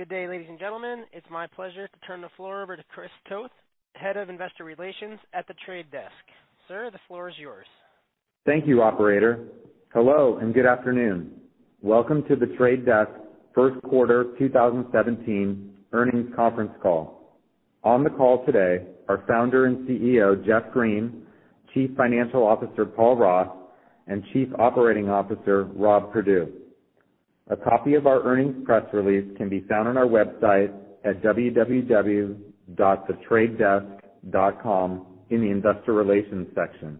Good day, ladies and gentlemen. It is my pleasure to turn the floor over to Chris Toth, Head of Investor Relations at The Trade Desk. Sir, the floor is yours. Thank you, operator. Hello, and good afternoon. Welcome to The Trade Desk first quarter 2017 earnings conference call. On the call today are Founder and CEO, Jeff Green, Chief Financial Officer, Paul Ross, and Chief Operating Officer, Rob Perdue. A copy of our earnings press release can be found on our website at www.thetradedesk.com in the investor relations section.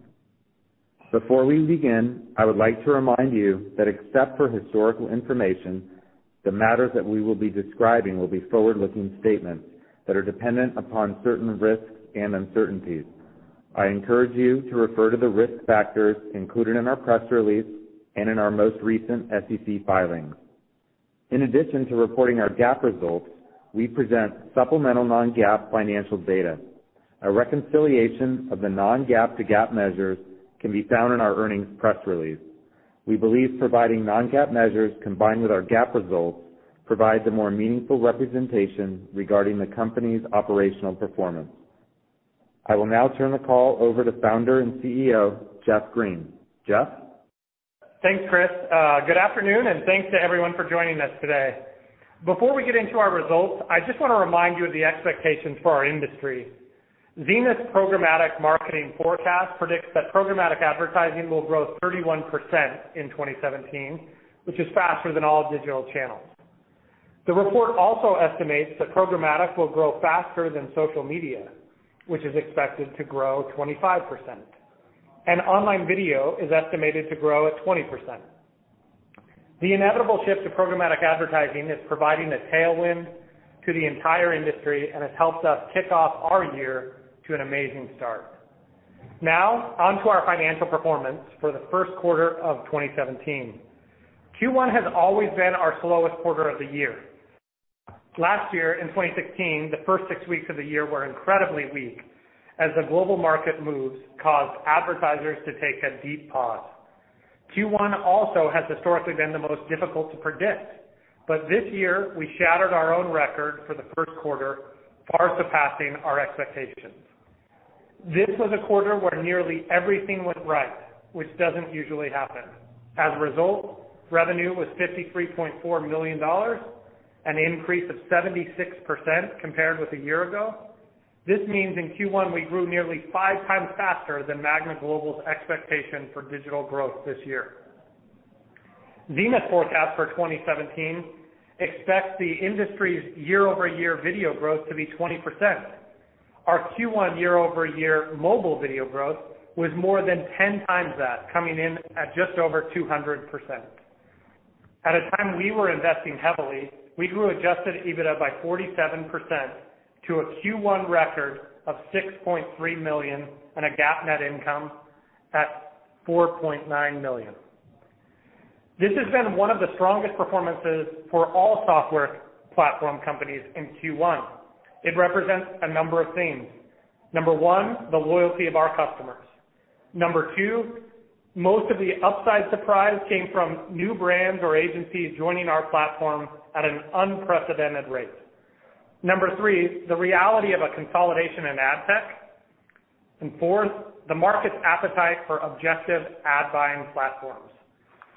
Before we begin, I would like to remind you that except for historical information, the matters that we will be describing will be forward-looking statements that are dependent upon certain risks and uncertainties. I encourage you to refer to the risk factors included in our press release and in our most recent SEC filings. In addition to reporting our GAAP results, we present supplemental non-GAAP financial data. A reconciliation of the non-GAAP to GAAP measures can be found in our earnings press release. We believe providing non-GAAP measures combined with our GAAP results provides a more meaningful representation regarding the company's operational performance. I will now turn the call over to Founder and CEO, Jeff Green. Jeff? Thanks, Chris. Good afternoon, and thanks to everyone for joining us today. Before we get into our results, I just want to remind you of the expectations for our industry. Zenith's programmatic marketing forecast predicts that programmatic advertising will grow 31% in 2017, which is faster than all digital channels. The report also estimates that programmatic will grow faster than social media, which is expected to grow 25%. Online video is estimated to grow at 20%. The inevitable shift to programmatic advertising is providing a tailwind to the entire industry and has helped us kick off our year to an amazing start. Now, on to our financial performance for the first quarter of 2017. Q1 has always been our slowest quarter of the year. Last year, in 2016, the first six weeks of the year were incredibly weak as the global market moves caused advertisers to take a deep pause. Q1 also has historically been the most difficult to predict. This year, we shattered our own record for the first quarter, far surpassing our expectations. This was a quarter where nearly everything went right, which doesn't usually happen. As a result, revenue was $53.4 million, an increase of 76% compared with a year ago. This means in Q1, we grew nearly five times faster than Magna Global's expectation for digital growth this year. Zenith forecast for 2017 expects the industry's year-over-year video growth to be 20%. Our Q1 year-over-year mobile video growth was more than 10 times that, coming in at just over 200%. At a time we were investing heavily, we grew adjusted EBITDA by 47% to a Q1 record of $6.3 million and a GAAP net income at $4.9 million. This has been one of the strongest performances for all SaaS platform companies in Q1. It represents a number of themes. Number one, the loyalty of our customers. Number two, most of the upside surprise came from new brands or agencies joining our platform at an unprecedented rate. Number three, the reality of a consolidation in ad tech. Fourth, the market's appetite for objective ad-buying platforms.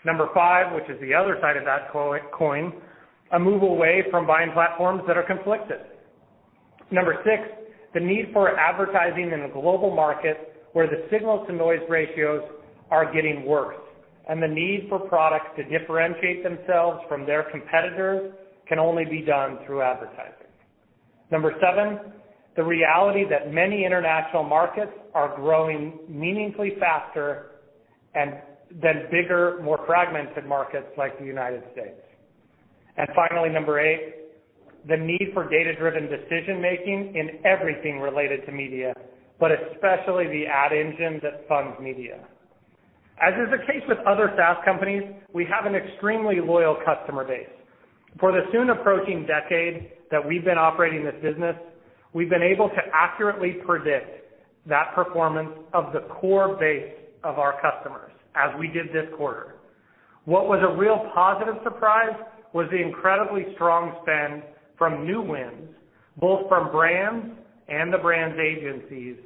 Number five, which is the other side of that coin, a move away from buying platforms that are conflicted. Number six, the need for advertising in a global market where the signal-to-noise ratios are getting worse, and the need for products to differentiate themselves from their competitors can only be done through advertising. Number seven, the reality that many international markets are growing meaningfully faster than bigger, more fragmented markets like the United States. Finally, number eight, the need for data-driven decision-making in everything related to media, but especially the ad engine that funds media. As is the case with other SaaS companies, we have an extremely loyal customer base. For the soon-approaching decade that we've been operating this business, we've been able to accurately predict that performance of the core base of our customers, as we did this quarter. What was a real positive surprise was the incredibly strong spend from new wins, both from brands and the brands' agencies,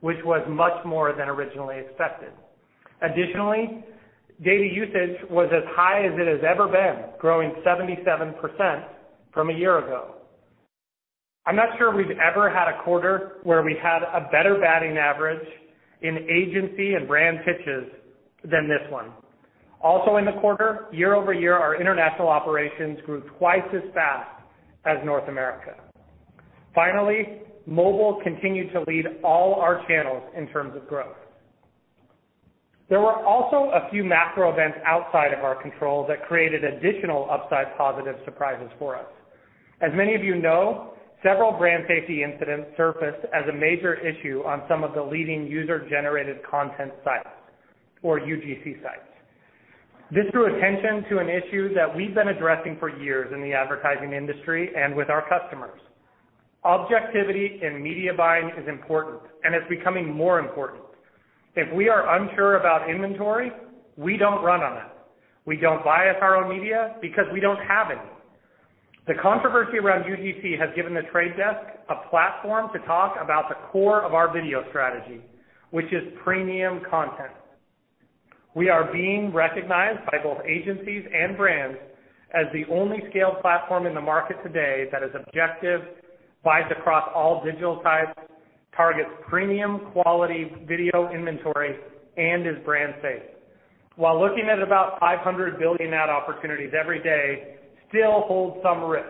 which was much more than originally expected. Additionally, data usage was as high as it has ever been, growing 77% from a year ago. I'm not sure we've ever had a quarter where we had a better batting average in agency and brand pitches than this one. Also in the quarter, year-over-year, our international operations grew twice as fast as North America. Finally, mobile continued to lead all our channels in terms of growth. There were also a few macro events outside of our control that created additional upside positive surprises for us. As many of you know, several brand safety incidents surfaced as a major issue on some of the leading user-generated content sites, or UGC sites. This drew attention to an issue that we've been addressing for years in the advertising industry and with our customers. Objectivity in media buying is important, and it's becoming more important. If we are unsure about inventory, we don't run on it. We don't buy our own media because we don't have any. The controversy around UGC has given The Trade Desk a platform to talk about the core of our video strategy, which is premium content. We are being recognized by both agencies and brands as the only scaled platform in the market today that is objective, buys across all digital types, targets premium quality video inventory, and is brand safe. While looking at about 500 billion ad opportunities every day still holds some risk,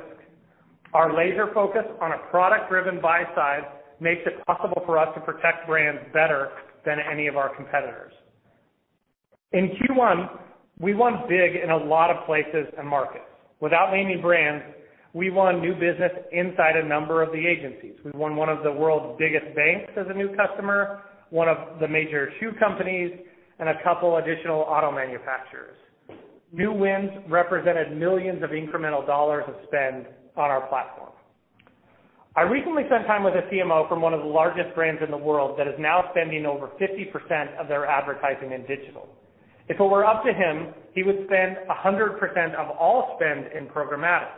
our laser focus on a product-driven buy side makes it possible for us to protect brands better than any of our competitors. In Q1, we won big in a lot of places and markets. Without naming brands, we won new business inside a number of the agencies. We won one of the world's biggest banks as a new customer, one of the major shoe companies, and a couple additional auto manufacturers. New wins represented millions of incremental dollars of spend on our platform. I recently spent time with a CMO from one of the largest brands in the world that is now spending over 50% of their advertising in digital. If it were up to him, he would spend 100% of all spend in programmatic.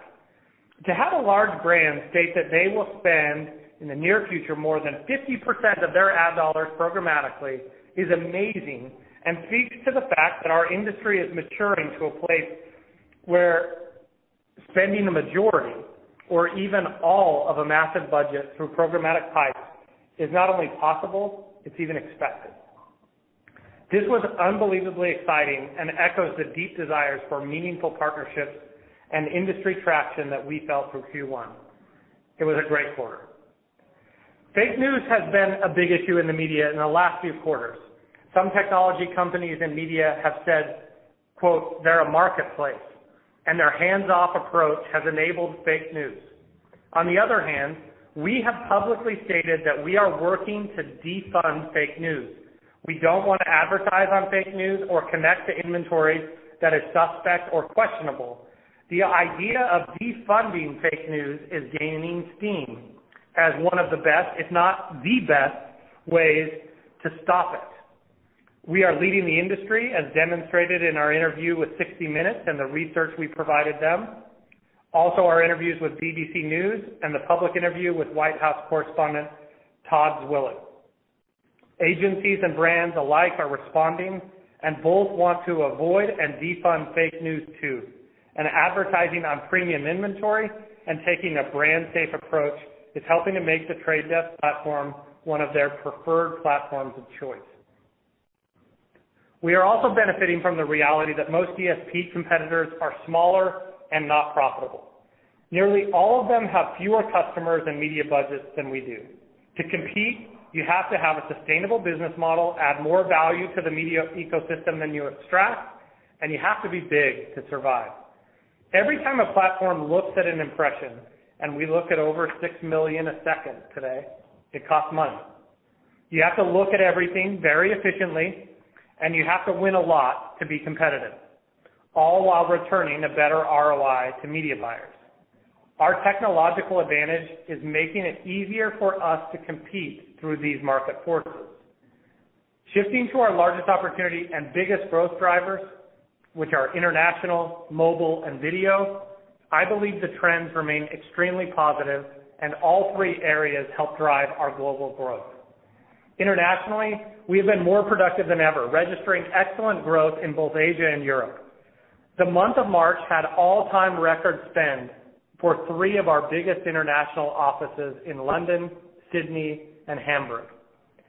To have a large brand state that they will spend, in the near future, more than 50% of their ad dollars programmatically is amazing and speaks to the fact that our industry is maturing to a place where spending the majority or even all of a massive budget through programmatic types is not only possible, it's even expected. This was unbelievably exciting and echoes the deep desires for meaningful partnerships and industry traction that we felt through Q1. It was a great quarter. Fake news has been a big issue in the media in the last few quarters. Some technology companies and media have said, quote, "They're a marketplace," and their hands-off approach has enabled fake news. On the other hand, we have publicly stated that we are working to defund fake news. We don't want to advertise on fake news or connect to inventory that is suspect or questionable. The idea of defunding fake news is gaining steam as one of the best, if not the best, ways to stop it. We are leading the industry as demonstrated in our interview with "60 Minutes" and the research we provided them. Also, our interviews with BBC News and the public interview with White House correspondent Todd Zwillich. Agencies and brands alike are responding and both want to avoid and defund fake news, too. Advertising on premium inventory and taking a brand-safe approach is helping to make The Trade Desk platform one of their preferred platforms of choice. We are also benefiting from the reality that most DSP competitors are smaller and not profitable. Nearly all of them have fewer customers and media budgets than we do. To compete, you have to have a sustainable business model, add more value to the media ecosystem than you extract, and you have to be big to survive. Every time a platform looks at an impression, and we look at over 6 million a second today, it costs money. You have to look at everything very efficiently, and you have to win a lot to be competitive, all while returning a better ROI to media buyers. Our technological advantage is making it easier for us to compete through these market forces. Shifting to our largest opportunity and biggest growth drivers, which are international, mobile, and video, I believe the trends remain extremely positive and all three areas help drive our global growth. Internationally, we have been more productive than ever, registering excellent growth in both Asia and Europe. The month of March had all-time record spend for three of our biggest international offices in London, Sydney, and Hamburg.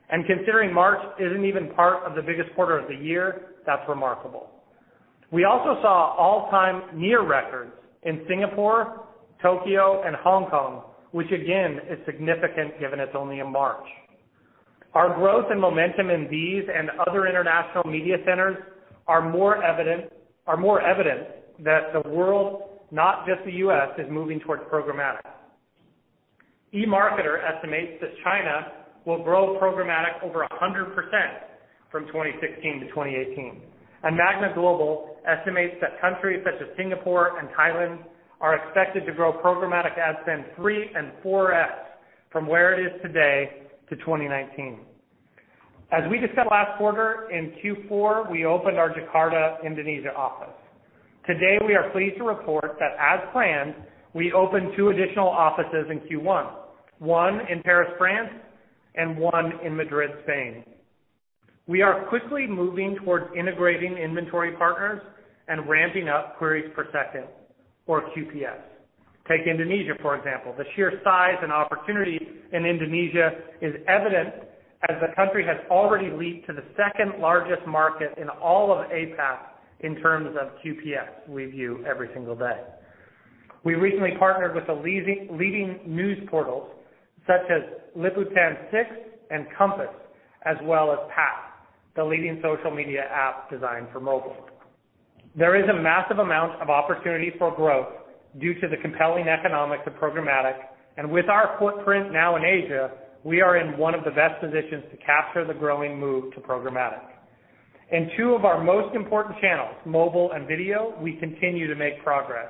Considering March isn't even part of the biggest quarter of the year, that's remarkable. We also saw all-time near records in Singapore, Tokyo, and Hong Kong, which again, is significant given it's only in March. Our growth and momentum in these and other international media centers are more evidence that the world, not just the U.S., is moving towards programmatic. eMarketer estimates that China will grow programmatic over 100% from 2016 to 2018, and Magna Global estimates that countries such as Singapore and Thailand are expected to grow programmatic ad spend 3x and 4x from where it is today to 2019. As we discussed last quarter, in Q4, we opened our Jakarta, Indonesia office. Today, we are pleased to report that as planned, we opened two additional offices in Q1, one in Paris, France, and one in Madrid, Spain. We are quickly moving towards integrating inventory partners and ramping up queries per second or QPS. Take Indonesia, for example. The sheer size and opportunity in Indonesia is evident as the country has already leaped to the second-largest market in all of APAC in terms of QPS we view every single day. We recently partnered with the leading news portals such as Liputan6 and Kompas, as well as Path, the leading social media app designed for mobile. There is a massive amount of opportunity for growth due to the compelling economics of programmatic, and with our footprint now in Asia, we are in one of the best positions to capture the growing move to programmatic. In two of our most important channels, mobile and video, we continue to make progress.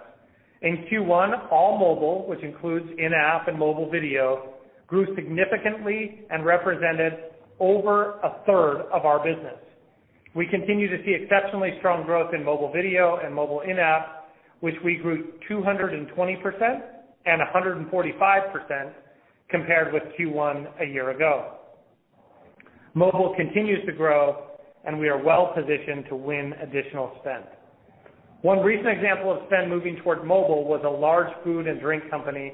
In Q1, all mobile, which includes in-app and mobile video, grew significantly and represented over a third of our business. We continue to see exceptionally strong growth in mobile video and mobile in-app, which we grew 220% and 145% compared with Q1 a year ago. Mobile continues to grow, and we are well-positioned to win additional spend. One recent example of spend moving toward mobile was a large food and drink company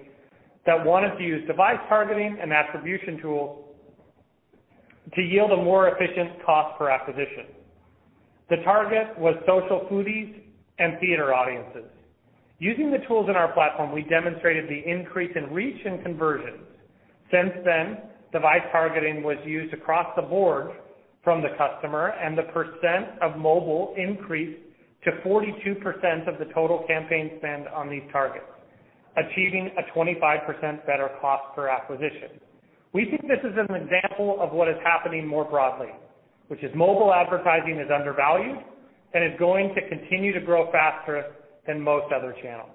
that wanted to use device targeting and attribution tools to yield a more efficient cost per acquisition. The target was social foodies and theater audiences. Using the tools in our platform, we demonstrated the increase in reach and conversions. Since then, device targeting was used across the board from the customer, and the percent of mobile increased to 42% of the total campaign spend on these targets, achieving a 25% better cost per acquisition. We think this is an example of what is happening more broadly, which is mobile advertising is undervalued and is going to continue to grow faster than most other channels.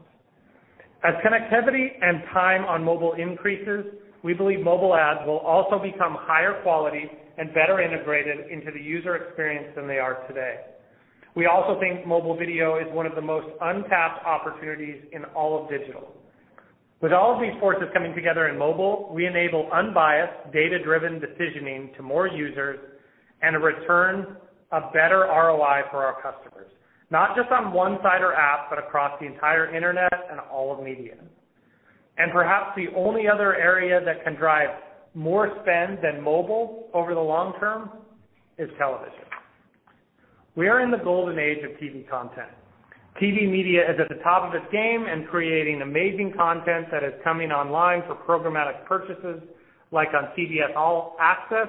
As connectivity and time on mobile increases, we believe mobile ads will also become higher quality and better integrated into the user experience than they are today. We also think mobile video is one of the most untapped opportunities in all of digital. With all of these forces coming together in mobile, we enable unbiased, data-driven decisioning to more users and a return, a better ROI for our customers, not just on one site or app, but across the entire internet and all of media. Perhaps the only other area that can drive more spend than mobile over the long term is television. We are in the golden age of TV content. TV media is at the top of its game and creating amazing content that is coming online for programmatic purchases like on CBS All Access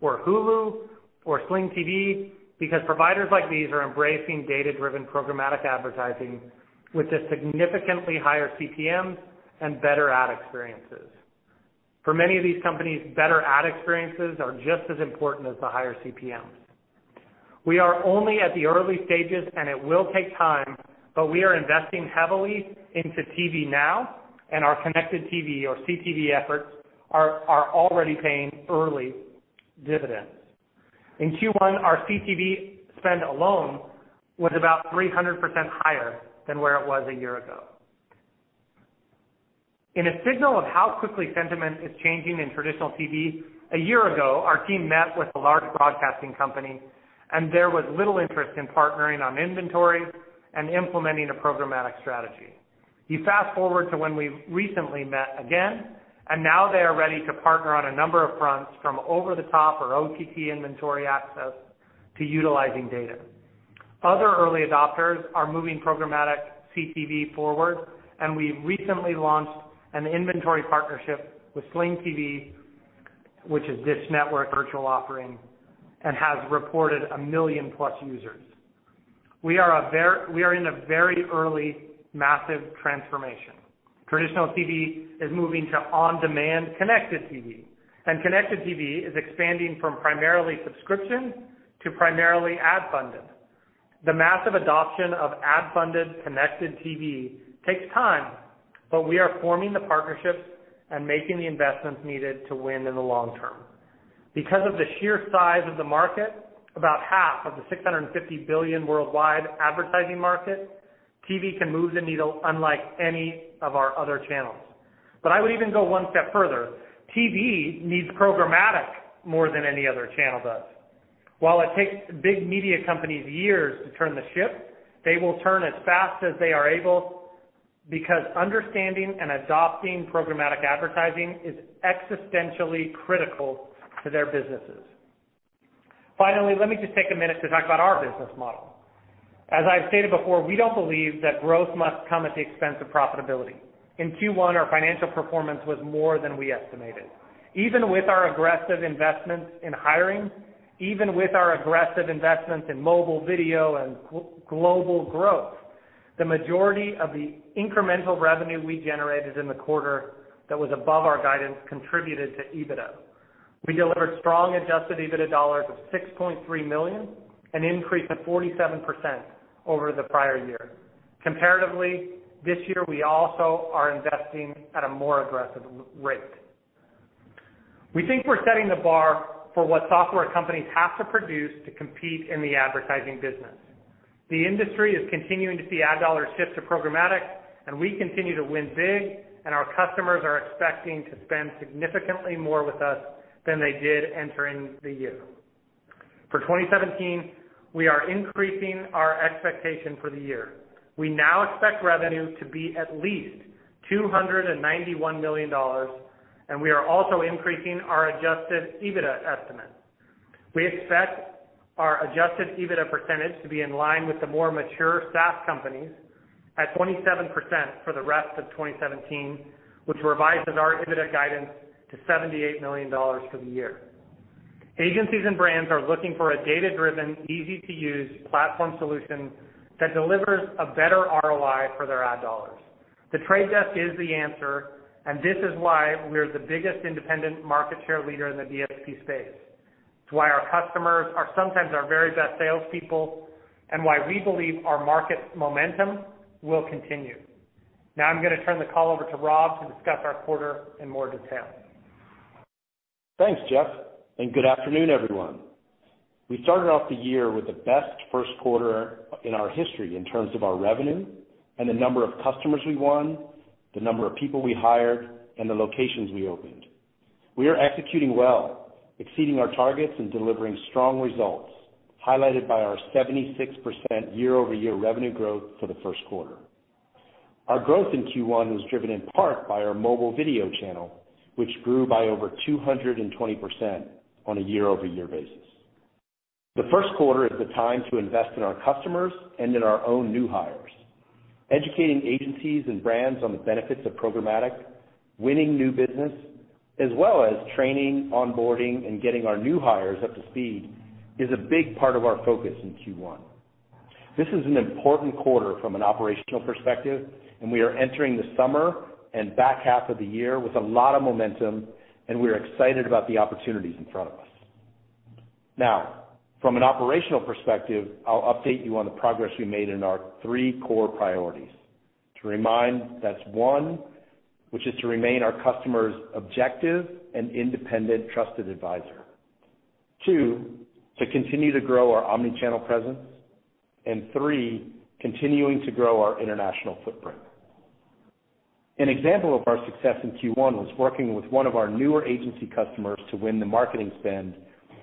or Hulu or Sling TV, because providers like these are embracing data-driven programmatic advertising with a significantly higher CPM and better ad experiences. For many of these companies, better ad experiences are just as important as the higher CPM. We are only at the early stages, and it will take time, but we are investing heavily into TV now, and our connected TV or CTV efforts are already paying early dividends. In Q1, our CTV spend alone was about 300% higher than where it was a year ago. In a signal of how quickly sentiment is changing in traditional TV, a year ago, our team met with a large broadcasting company, and there was little interest in partnering on inventory and implementing a programmatic strategy. You fast-forward to when we recently met again, and now they are ready to partner on a number of fronts, from over-the-top or OTT inventory access to utilizing data. Other early adopters are moving programmatic CTV forward, and we recently launched an inventory partnership with Sling TV, which is Dish Network virtual offering, and has reported a million-plus users. We are in a very early massive transformation. Traditional TV is moving to on-demand connected TV, and connected TV is expanding from primarily subscription to primarily ad-funded. The massive adoption of ad-funded connected TV takes time, but we are forming the partnerships and making the investments needed to win in the long term. Because of the sheer size of the market, about half of the $650 billion worldwide advertising market, TV can move the needle unlike any of our other channels. I would even go one step further. TV needs programmatic more than any other channel does. While it takes big media companies years to turn the ship, they will turn as fast as they are able because understanding and adopting programmatic advertising is existentially critical to their businesses. Finally, let me just take a minute to talk about our business model. As I've stated before, we don't believe that growth must come at the expense of profitability. In Q1, our financial performance was more than we estimated. Even with our aggressive investments in hiring, even with our aggressive investments in mobile video and global growth, the majority of the incremental revenue we generated in the quarter that was above our guidance contributed to EBITDA. We delivered strong adjusted EBITDA dollars of $6.3 million, an increase of 47% over the prior year. Comparatively, this year, we also are investing at a more aggressive rate. We think we're setting the bar for what software companies have to produce to compete in the advertising business. The industry is continuing to see ad dollars shift to programmatic, and we continue to win big, and our customers are expecting to spend significantly more with us than they did entering the year. For 2017, we are increasing our expectation for the year. We now expect revenue to be at least $291 million, and we are also increasing our adjusted EBITDA estimate. We expect our adjusted EBITDA percentage to be in line with the more mature SaaS companies at 27% for the rest of 2017, which revises our EBITDA guidance to $78 million for the year. Agencies and brands are looking for a data-driven, easy-to-use platform solution that delivers a better ROI for their ad dollars. The Trade Desk is the answer, and this is why we're the biggest independent market share leader in the DSP space. It's why our customers are sometimes our very best salespeople, and why we believe our market momentum will continue. I'm going to turn the call over to Rob to discuss our quarter in more detail. Thanks, Jeff, and good afternoon, everyone. We started off the year with the best first quarter in our history in terms of our revenue and the number of customers we won, the number of people we hired, and the locations we opened. We are executing well, exceeding our targets and delivering strong results, highlighted by our 76% year-over-year revenue growth for the first quarter. Our growth in Q1 was driven in part by our mobile video channel, which grew by over 220% on a year-over-year basis. The first quarter is the time to invest in our customers and in our own new hires. Educating agencies and brands on the benefits of programmatic, winning new business, as well as training, onboarding, and getting our new hires up to speed is a big part of our focus in Q1. This is an important quarter from an operational perspective, and we are entering the summer and back half of the year with a lot of momentum, and we're excited about the opportunities in front of us. From an operational perspective, I'll update you on the progress we made in our 3 core priorities. To remind, that's one, which is to remain our customers' objective and independent trusted advisor. Two, to continue to grow our omni-channel presence. And three, continuing to grow our international footprint. An example of our success in Q1 was working with one of our newer agency customers to win the marketing spend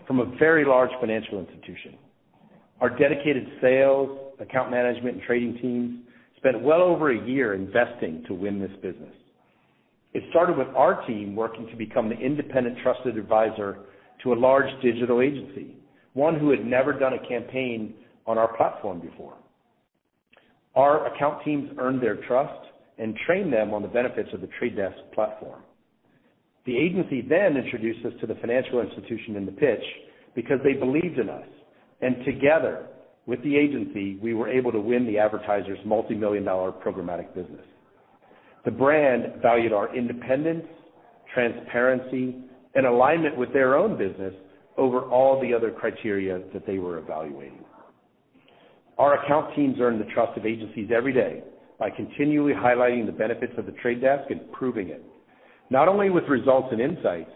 from a very large financial institution. Our dedicated sales, account management, and trading teams spent well over a year investing to win this business. It started with our team working to become the independent trusted advisor to a large digital agency, one who had never done a campaign on our platform before. Our account teams earned their trust and trained them on the benefits of The Trade Desk platform. The agency then introduced us to the financial institution in the pitch because they believed in us, and together with the agency, we were able to win the advertiser's multimillion-dollar programmatic business. The brand valued our independence, transparency, and alignment with their own business over all the other criteria that they were evaluating. Our account teams earn the trust of agencies every day by continually highlighting the benefits of The Trade Desk and proving it, not only with results and insights,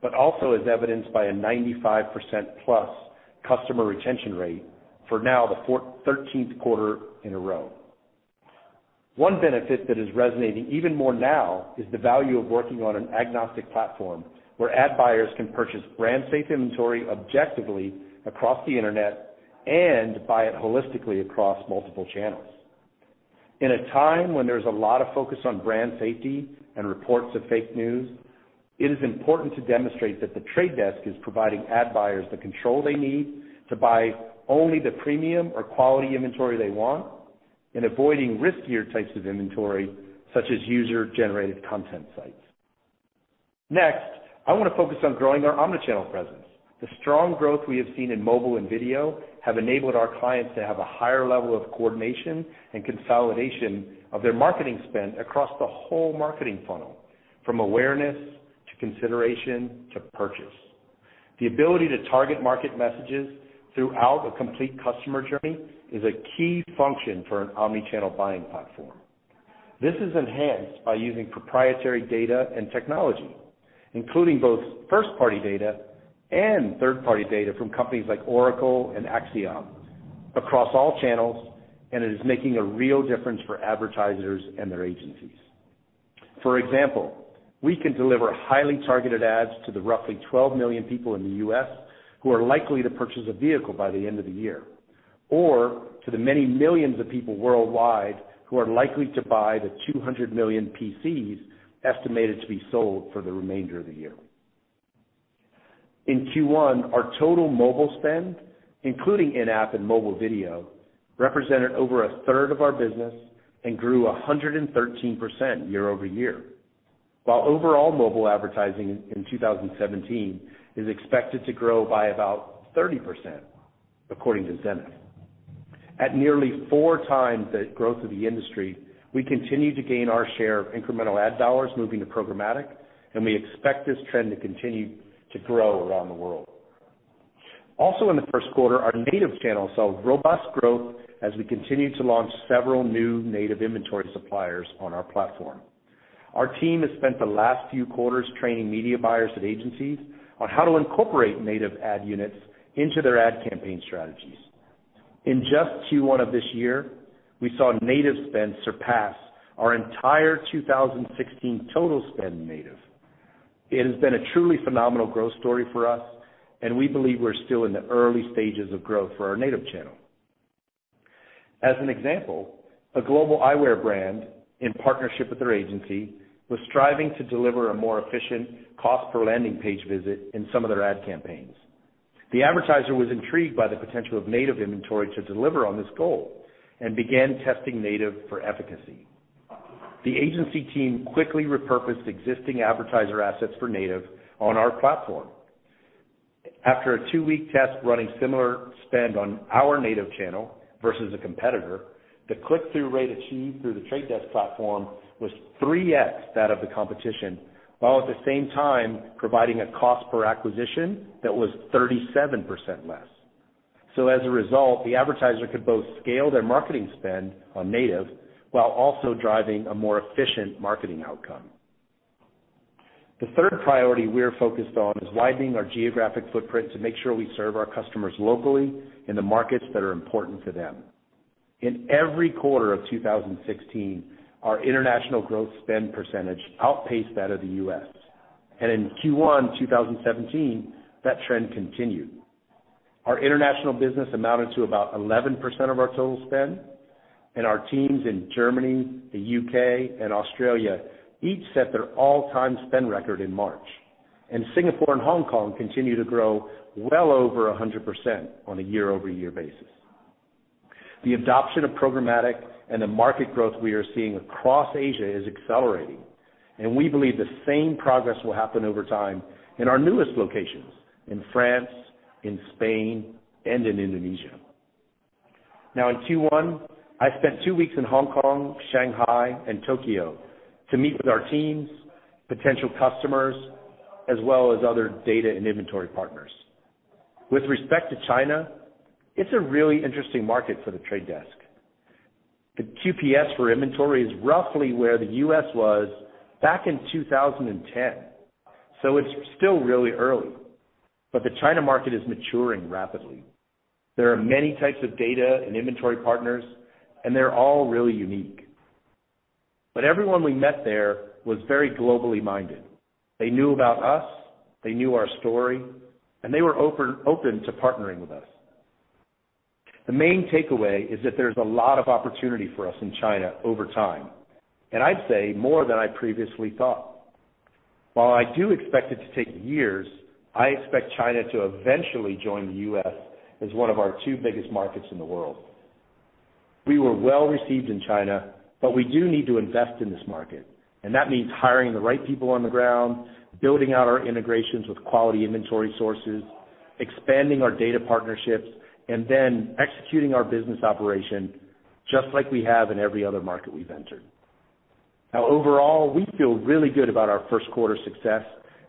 but also as evidenced by a 95%-plus customer retention rate for now the thirteenth quarter in a row. One benefit that is resonating even more now is the value of working on an agnostic platform where ad buyers can purchase brand safe inventory objectively across the Internet and buy it holistically across multiple channels. In a time when there's a lot of focus on brand safety and reports of fake news, it is important to demonstrate that The Trade Desk is providing ad buyers the control they need to buy only the premium or quality inventory they want and avoiding riskier types of inventory, such as user-generated content sites. I want to focus on growing our omni-channel presence. The strong growth we have seen in mobile and video have enabled our clients to have a higher level of coordination and consolidation of their marketing spend across the whole marketing funnel, from awareness to consideration to purchase. The ability to target market messages throughout the complete customer journey is a key function for an omni-channel buying platform. This is enhanced by using proprietary data and technology, including both first-party data and third-party data from companies like Oracle and Acxiom across all channels, it is making a real difference for advertisers and their agencies. For example, we can deliver highly targeted ads to the roughly 12 million people in the U.S. who are likely to purchase a vehicle by the end of the year, or to the many millions of people worldwide who are likely to buy the 200 million PCs estimated to be sold for the remainder of the year. In Q1, our total mobile spend, including in-app and mobile video, represented over a third of our business and grew 113% year-over-year. While overall mobile advertising in 2017 is expected to grow by about 30%, according to Zenith. At nearly four times the growth of the industry, we continue to gain our share of incremental ad dollars moving to programmatic, we expect this trend to continue to grow around the world. In the first quarter, our native channel saw robust growth as we continued to launch several new native inventory suppliers on our platform. Our team has spent the last few quarters training media buyers at agencies on how to incorporate native ad units into their ad campaign strategies. In just Q1 of this year, we saw native spend surpass our entire 2016 total spend native. It has been a truly phenomenal growth story for us, we believe we're still in the early stages of growth for our native channel. A global eyewear brand, in partnership with their agency, was striving to deliver a more efficient cost per landing page visit in some of their ad campaigns. The advertiser was intrigued by the potential of native inventory to deliver on this goal and began testing native for efficacy. The agency team quickly repurposed existing advertiser assets for native on our platform. After a two-week test running similar spend on our native channel versus a competitor, the click-through rate achieved through The Trade Desk platform was 3x that of the competition, while at the same time providing a cost per acquisition that was 37% less. As a result, the advertiser could both scale their marketing spend on native while also driving a more efficient marketing outcome. The third priority we're focused on is widening our geographic footprint to make sure we serve our customers locally in the markets that are important to them. In every quarter of 2016, our international growth spend percentage outpaced that of the U.S. In Q1 2017, that trend continued. Our international business amounted to about 11% of our total spend, and our teams in Germany, the U.K., and Australia each set their all-time spend record in March. Singapore and Hong Kong continue to grow well over 100% on a year-over-year basis. The adoption of programmatic and the market growth we are seeing across Asia is accelerating. We believe the same progress will happen over time in our newest locations, in France, in Spain, and in Indonesia. In Q1, I spent two weeks in Hong Kong, Shanghai, and Tokyo to meet with our teams, potential customers, as well as other data and inventory partners. With respect to China, it's a really interesting market for The Trade Desk. The QPS for inventory is roughly where the U.S. was back in 2010, so it's still really early. The China market is maturing rapidly. There are many types of data and inventory partners. They're all really unique. Everyone we met there was very globally minded. They knew about us, they knew our story. They were open to partnering with us. The main takeaway is that there's a lot of opportunity for us in China over time. I'd say more than I previously thought. While I do expect it to take years, I expect China to eventually join the U.S. as one of our two biggest markets in the world. We were well received in China. We do need to invest in this market. That means hiring the right people on the ground, building out our integrations with quality inventory sources, expanding our data partnerships, then executing our business operation just like we have in every other market we've entered. Overall, we feel really good about our first quarter success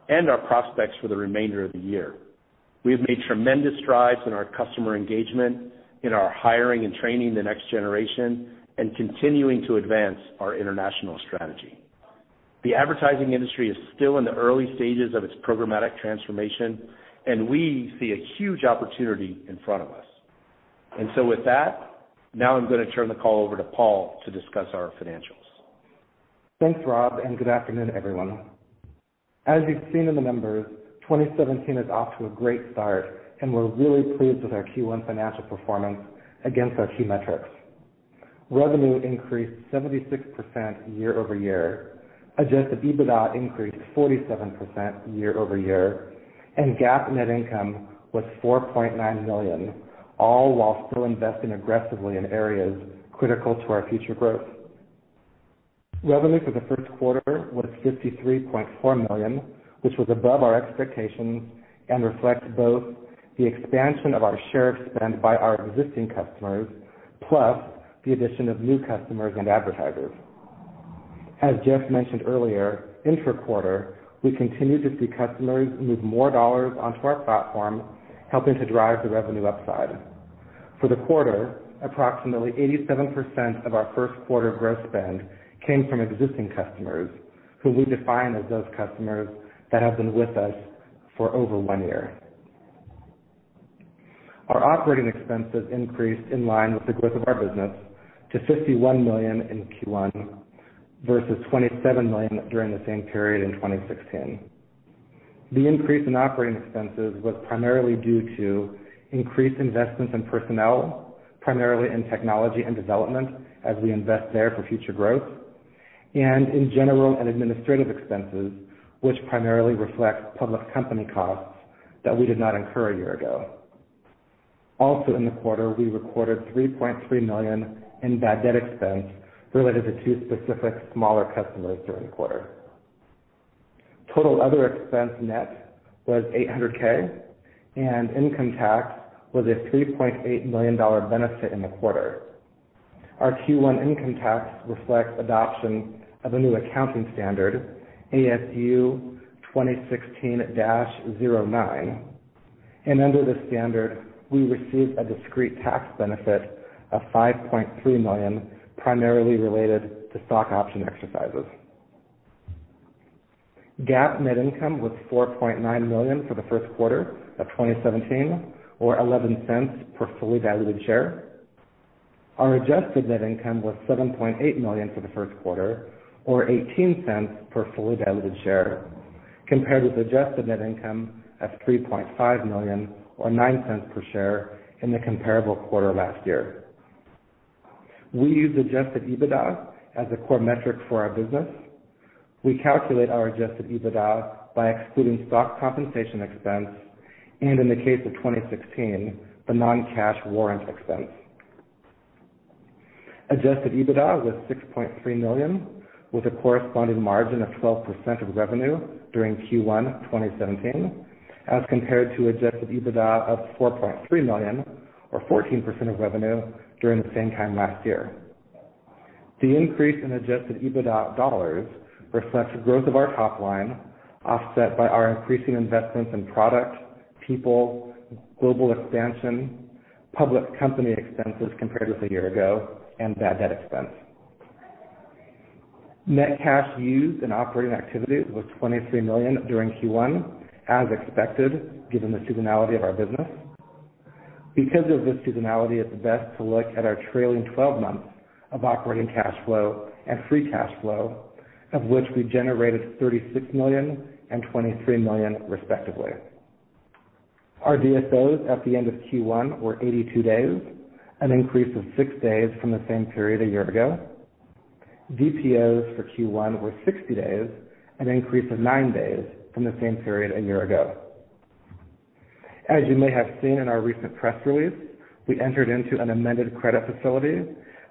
and our prospects for the remainder of the year. We have made tremendous strides in our customer engagement, in our hiring and training the next generation, continuing to advance our international strategy. The advertising industry is still in the early stages of its programmatic transformation. We see a huge opportunity in front of us. With that, I'm going to turn the call over to Paul to discuss our financials. Thanks, Rob. Good afternoon, everyone. As you've seen in the numbers, 2017 is off to a great start, and we're really pleased with our Q1 financial performance against our key metrics. Revenue increased 76% year-over-year. Adjusted EBITDA increased 47% year-over-year, and GAAP net income was $4.9 million, all while still investing aggressively in areas critical to our future growth. Revenue for the first quarter was $53.4 million, which was above our expectations and reflects both the expansion of our share of spend by our existing customers, plus the addition of new customers and advertisers. As Jeff mentioned earlier, intra-quarter, we continued to see customers move more dollars onto our platform, helping to drive the revenue upside. For the quarter, approximately 87% of our first quarter gross spend came from existing customers, who we define as those customers that have been with us for over one year. Our operating expenses increased in line with the growth of our business to $51 million in Q1 versus $27 million during the same period in 2016. The increase in operating expenses was primarily due to increased investments in personnel, primarily in technology and development as we invest there for future growth, and in general and administrative expenses, which primarily reflects public company costs that we did not incur a year ago. Also in the quarter, we recorded $3.3 million in bad debt expense related to two specific smaller customers during the quarter. Total other expense net was $800K, and income tax was a $3.8 million benefit in the quarter. Our Q1 income tax reflects adoption of a new accounting standard, ASU 2016-09. Under this standard, we received a discrete tax benefit of $5.3 million, primarily related to stock option exercises. GAAP net income was $4.9 million for the first quarter of 2017 or $0.11 per fully diluted share. Our adjusted net income was $7.8 million for the first quarter or $0.18 per fully diluted share, compared with adjusted net income of $3.5 million or $0.09 per share in the comparable quarter last year. We use adjusted EBITDA as a core metric for our business. We calculate our adjusted EBITDA by excluding stock compensation expense and, in the case of 2016, the non-cash warrant expense. Adjusted EBITDA was $6.3 million, with a corresponding margin of 12% of revenue during Q1 2017, as compared to adjusted EBITDA of $4.3 million or 14% of revenue during the same time last year. The increase in adjusted EBITDA dollars reflects growth of our top line, offset by our increasing investments in product, people, global expansion, public company expenses compared with a year ago, and bad debt expense. Net cash used in operating activities was $23 million during Q1, as expected, given the seasonality of our business. Because of this seasonality, it's best to look at our trailing 12 months of operating cash flow and free cash flow, of which we generated $36 million and $23 million respectively. Our DSOs at the end of Q1 were 82 days, an increase of six days from the same period a year ago. DPOs for Q1 were 60 days, an increase of nine days from the same period a year ago. As you may have seen in our recent press release, we entered into an amended credit facility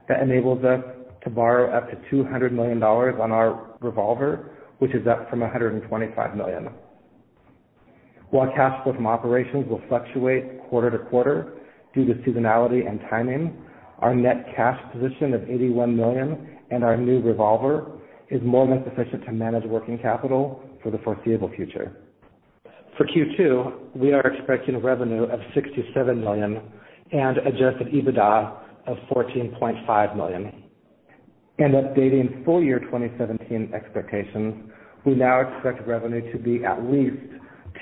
that enables us to borrow up to $200 million on our revolver, which is up from $125 million. While cash flow from operations will fluctuate quarter-to-quarter due to seasonality and timing, our net cash position of $81 million and our new revolver is more than sufficient to manage working capital for the foreseeable future. For Q2, we are expecting revenue of $67 million and adjusted EBITDA of $14.5 million. Updating full year 2017 expectations, we now expect revenue to be at least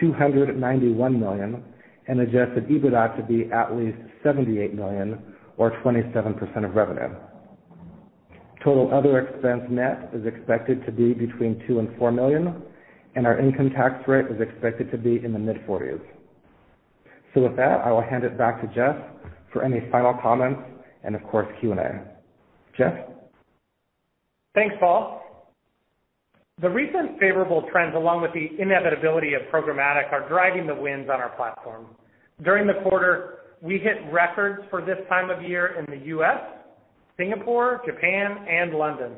$291 million and adjusted EBITDA to be at least $78 million or 27% of revenue. Total other expense net is expected to be between $2 million and $4 million, and our income tax rate is expected to be in the mid-forties. With that, I will hand it back to Jeff for any final comments and of course, Q&A. Jeff? Thanks, Paul. The recent favorable trends, along with the inevitability of programmatic, are driving the winds on our platform. During the quarter, we hit records for this time of year in the U.S., Singapore, Japan, and London.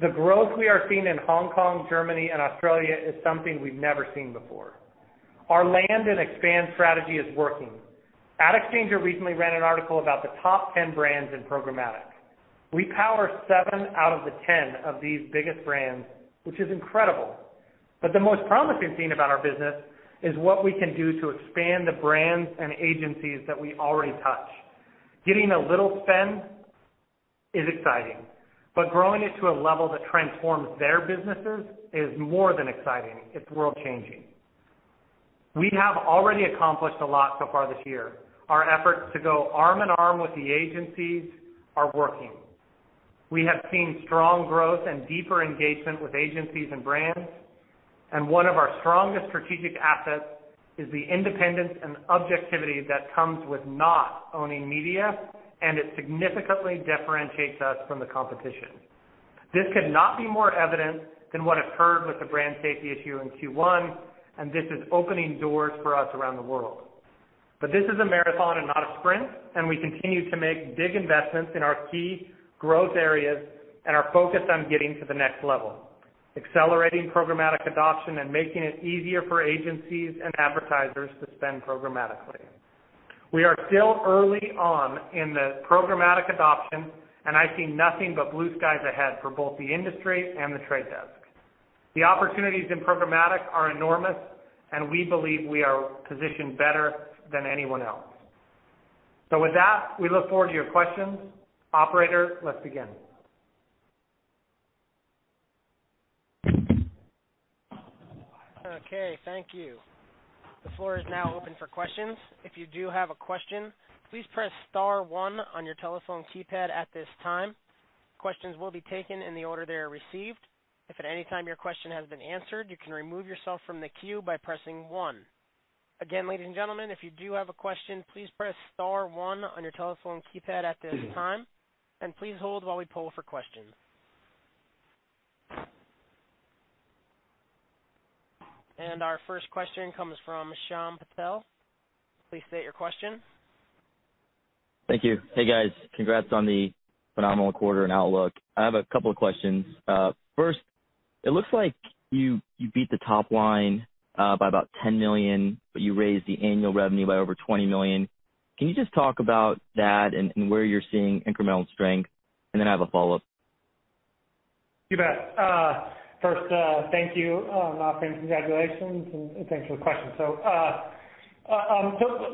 The growth we are seeing in Hong Kong, Germany, and Australia is something we've never seen before. Our land and expand strategy is working. AdExchanger recently ran an article about the top 10 brands in programmatic. We power seven out of the 10 of these biggest brands, which is incredible. The most promising thing about our business is what we can do to expand the brands and agencies that we already touch. Getting a little spend is exciting, but growing it to a level that transforms their businesses is more than exciting. It's world-changing. We have already accomplished a lot so far this year. Our efforts to go arm in arm with the agencies are working. We have seen strong growth and deeper engagement with agencies and brands, and one of our strongest strategic assets is the independence and objectivity that comes with not owning media, and it significantly differentiates us from the competition. This could not be more evident than what occurred with the brand safety issue in Q1, and this is opening doors for us around the world. This is a marathon and not a sprint, and we continue to make big investments in our key growth areas and are focused on getting to the next level, accelerating programmatic adoption and making it easier for agencies and advertisers to spend programmatically. We are still early on in the programmatic adoption, and I see nothing but blue skies ahead for both the industry and The Trade Desk. The opportunities in programmatic are enormous, and we believe we are positioned better than anyone else. With that, we look forward to your questions. Operator, let's begin. Okay, thank you. The floor is now open for questions. If you do have a question, please press star one on your telephone keypad at this time. Questions will be taken in the order they are received. If at any time your question has been answered, you can remove yourself from the queue by pressing one. Again, ladies and gentlemen, if you do have a question, please press star one on your telephone keypad at this time, and please hold while we poll for questions. Our first question comes from Shyam Patil. Please state your question. Thank you. Hey, guys. Congrats on the phenomenal quarter and outlook. I have a couple of questions. First, it looks like you beat the top line by about $10 million, but you raised the annual revenue by over $20 million. Can you just talk about that and where you're seeing incremental strength? Then I have a follow-up. You bet. First, thank you on offering congratulations, and thanks for the question.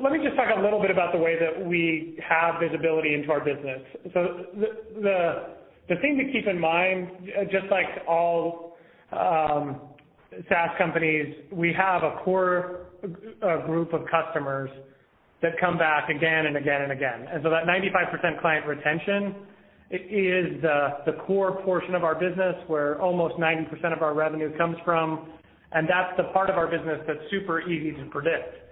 Let me just talk a little bit about the way that we have visibility into our business. The thing to keep in mind, just like all SaaS companies, we have a core group of customers that come back again and again and again. That 95% client retention is the core portion of our business where almost 90% of our revenue comes from, and that's the part of our business that's super easy to predict.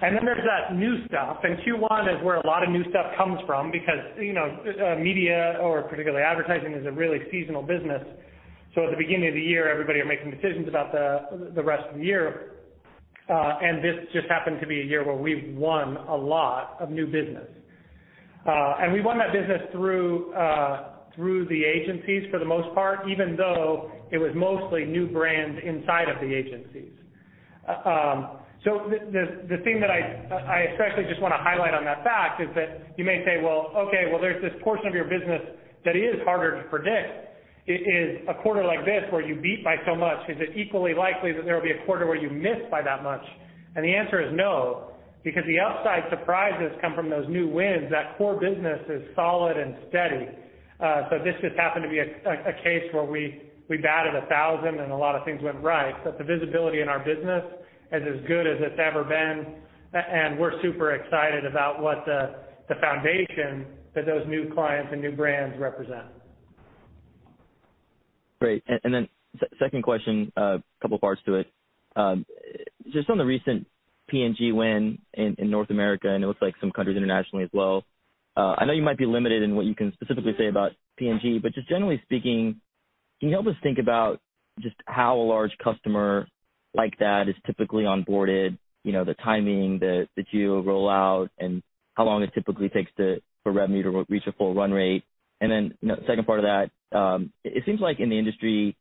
Then there's that new stuff, and Q1 is where a lot of new stuff comes from because media or particularly advertising is a really seasonal business. At the beginning of the year, everybody are making decisions about the rest of the year. This just happened to be a year where we've won a lot of new business. We won that business through the agencies for the most part, even though it was mostly new brands inside of the agencies. The thing that I especially just want to highlight on that fact is that you may say, well, okay, well, there's this portion of your business that is harder to predict. In a quarter like this, where you beat by so much, is it equally likely that there will be a quarter where you miss by that much? The answer is no, because the upside surprises come from those new wins. That core business is solid and steady. This just happened to be a case where we batted a 1,000 and a lot of things went right. The visibility in our business is as good as it's ever been, and we're super excited about what the foundation that those new clients and new brands represent. Great. Second question, couple of parts to it. Just on the recent P&G win in North America, and it looks like some countries internationally as well. I know you might be limited in what you can specifically say about P&G, but just generally speaking, can you help us think about just how a large customer like that is typically onboarded, the timing that you roll out and how long it typically takes for revenue to reach a full run rate? Second part of that, it seems like in the industry,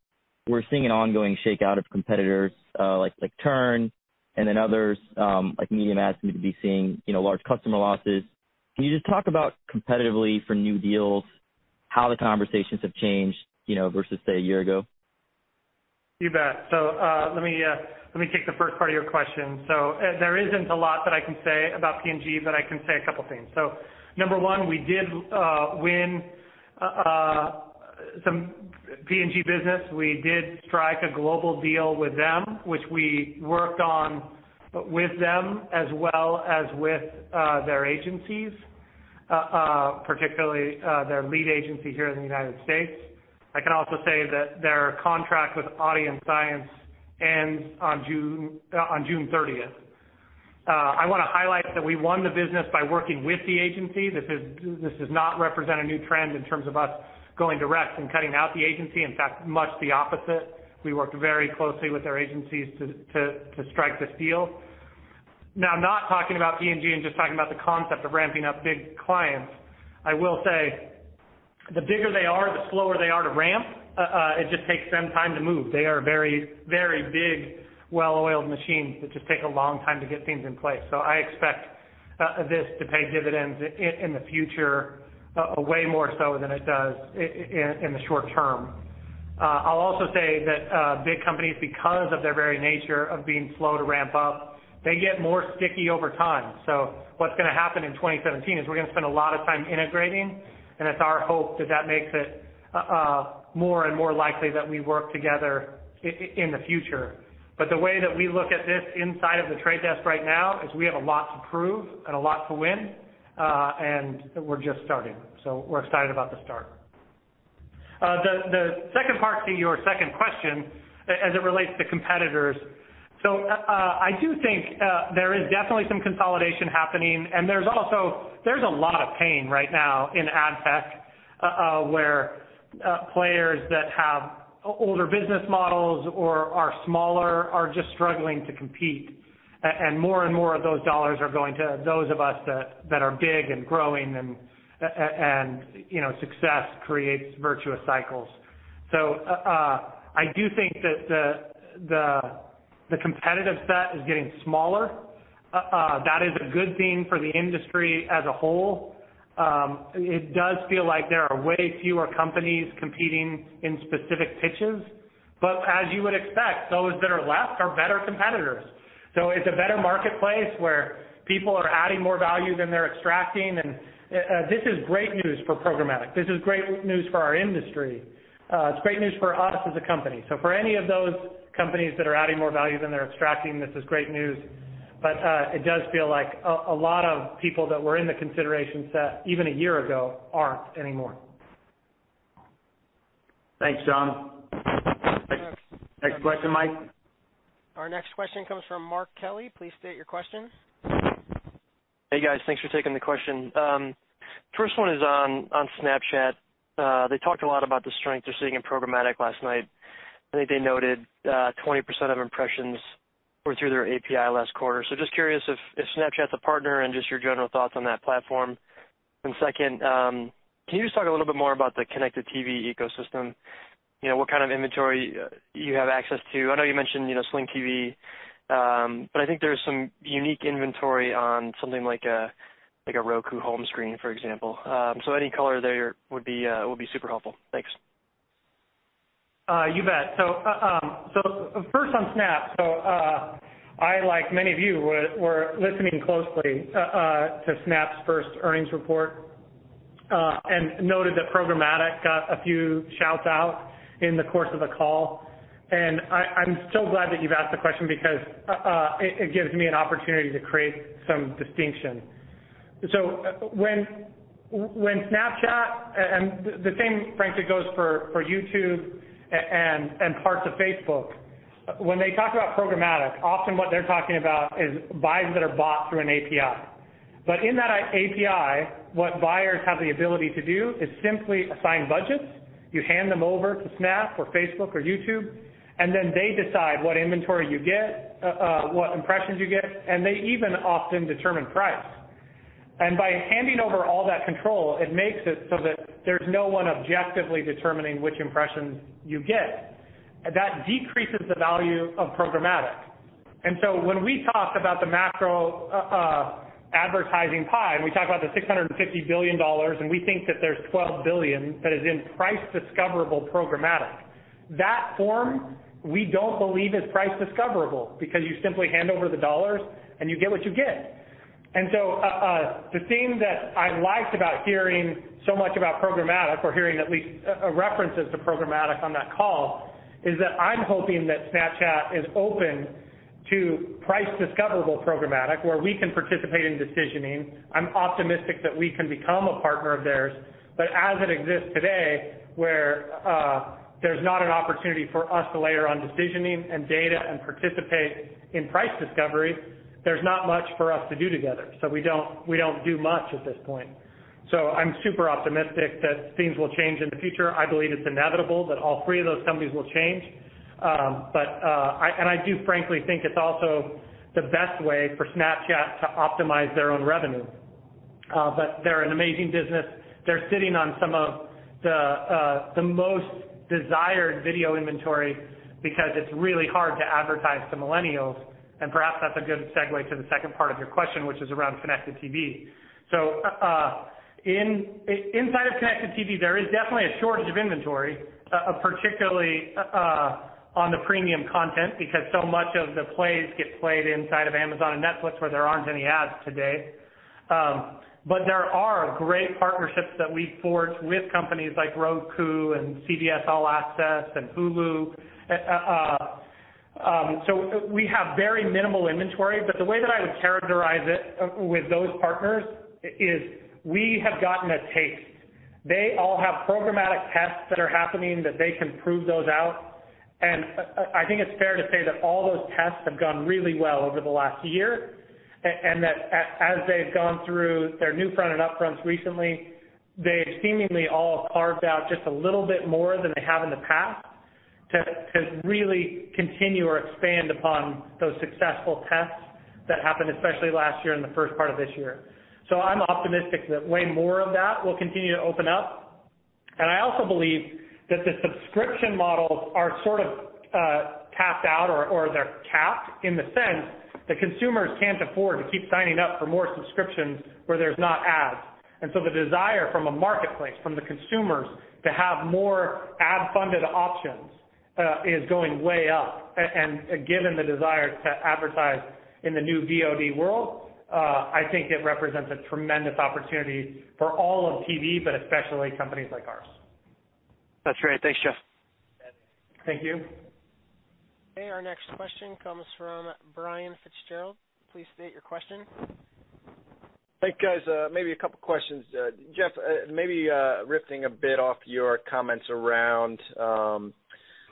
we're seeing an ongoing shakeout of competitors, like Turn and then others, like MediaMath, asking to be seeing large customer losses. Can you just talk about competitively for new deals, how the conversations have changed versus say, a year ago? You bet. Let me take the first part of your question. There isn't a lot that I can say about P&G, but I can say a couple things. Number one, we did win some P&G business. We did strike a global deal with them, which we worked on with them as well as with their agencies, particularly their lead agency here in the U.S. I can also say that their contract with AudienceScience ends on June 30th. I want to highlight that we won the business by working with the agency. This does not represent a new trend in terms of us going direct and cutting out the agency. In fact, much the opposite. We worked very closely with their agencies to strike this deal. not talking about P&G and just talking about the concept of ramping up big clients, I will say the bigger they are, the slower they are to ramp. It just takes them time to move. They are very big, well-oiled machines that just take a long time to get things in place. I expect this to pay dividends in the future, way more so than it does in the short term. I'll also say that big companies, because of their very nature of being slow to ramp up, they get more sticky over time. What's going to happen in 2017 is we're going to spend a lot of time integrating, and it's our hope that that makes it more and more likely that we work together in the future. The way that we look at this inside of The Trade Desk right now is we have a lot to prove and a lot to win, and we're just starting. We're excited about the start. The second part to your second question as it relates to competitors. I do think there is definitely some consolidation happening, and there's a lot of pain right now in ad tech, where players that have older business models or are smaller are just struggling to compete. More and more of those dollars are going to those of us that are big and growing, and success creates virtuous cycles. I do think that the competitive set is getting smaller. That is a good thing for the industry as a whole. It does feel like there are way fewer companies competing in specific pitches, but as you would expect, those that are left are better competitors. It's a better marketplace where people are adding more value than they're extracting. This is great news for programmatic. This is great news for our industry. It's great news for us as a company. For any of those companies that are adding more value than they're extracting, this is great news. It does feel like a lot of people that were in the consideration set even a year ago aren't anymore. Thanks, John. Next question, Mike. Our next question comes from Mark Kelley. Please state your question. Hey, guys. Thanks for taking the question. First one is on Snapchat. They talked a lot about the strength they're seeing in programmatic last night. I think they noted 20% of impressions were through their API last quarter. Just curious if Snapchat's a partner and just your general thoughts on that platform. Second, can you just talk a little bit more about the connected TV ecosystem? What kind of inventory you have access to? I know you mentioned Sling TV. But I think there's some unique inventory on something like a Roku home screen, for example. Any color there would be super helpful. Thanks. You bet. First on Snap. I, like many of you, were listening closely to Snap's first earnings report, and noted that programmatic got a few shouts out in the course of the call. I'm so glad that you've asked the question because it gives me an opportunity to create some distinction. When Snapchat, and the same frankly goes for YouTube and parts of Facebook. When they talk about programmatic, often what they're talking about is buys that are bought through an API. In that API, what buyers have the ability to do is simply assign budgets. You hand them over to Snap or Facebook or YouTube, then they decide what inventory you get, what impressions you get, and they even often determine price. By handing over all that control, it makes it so that there's no one objectively determining which impressions you get. That decreases the value of programmatic. When we talk about the macro advertising pie, we talk about the $650 billion, and we think that there's $12 billion that is in price-discoverable programmatic. That form, we don't believe is price-discoverable, because you simply hand over the dollars and you get what you get. The theme that I liked about hearing so much about programmatic, or hearing at least references to programmatic on that call, is that I'm hoping that Snapchat is open to price-discoverable programmatic, where we can participate in decisioning. I'm optimistic that we can become a partner of theirs. As it exists today, where there's not an opportunity for us to layer on decisioning and data and participate in price discovery, there's not much for us to do together. We don't do much at this point. I'm super optimistic that things will change in the future. I believe it's inevitable that all three of those companies will change. I do frankly think it's also the best way for Snapchat to optimize their own revenue. They're an amazing business. They're sitting on some of the most desired video inventory because it's really hard to advertise to millennials. Perhaps that's a good segue to the second part of your question, which is around connected TV. Inside of connected TV, there is definitely a shortage of inventory, particularly on the premium content, because so much of the plays get played inside of Amazon and Netflix, where there aren't any ads today. There are great partnerships that we forge with companies like Roku and CBS All Access and Hulu. We have very minimal inventory, the way that I would characterize it with those partners is we have gotten a taste. They all have programmatic tests that are happening that they can prove those out. I think it's fair to say that all those tests have gone really well over the last year, as they've gone through their new front and up-front recently, they seemingly all carved out just a little bit more than they have in the past to really continue or expand upon those successful tests that happened, especially last year and the first part of this year. I'm optimistic that way more of that will continue to open up. I also believe that the subscription models are sort of tapped out or they're capped in the sense that consumers can't afford to keep signing up for more subscriptions where there's not ads. The desire from a marketplace, from the consumers to have more ad-funded options is going way up. Given the desire to advertise in the new VOD world, I think it represents a tremendous opportunity for all of TV, but especially companies like ours. That's great. Thanks, Jeff. Thank you. Our next question comes from Brian Fitzgerald. Please state your question. Hey, guys, maybe a couple questions. Jeff, maybe riffling a bit off your comments around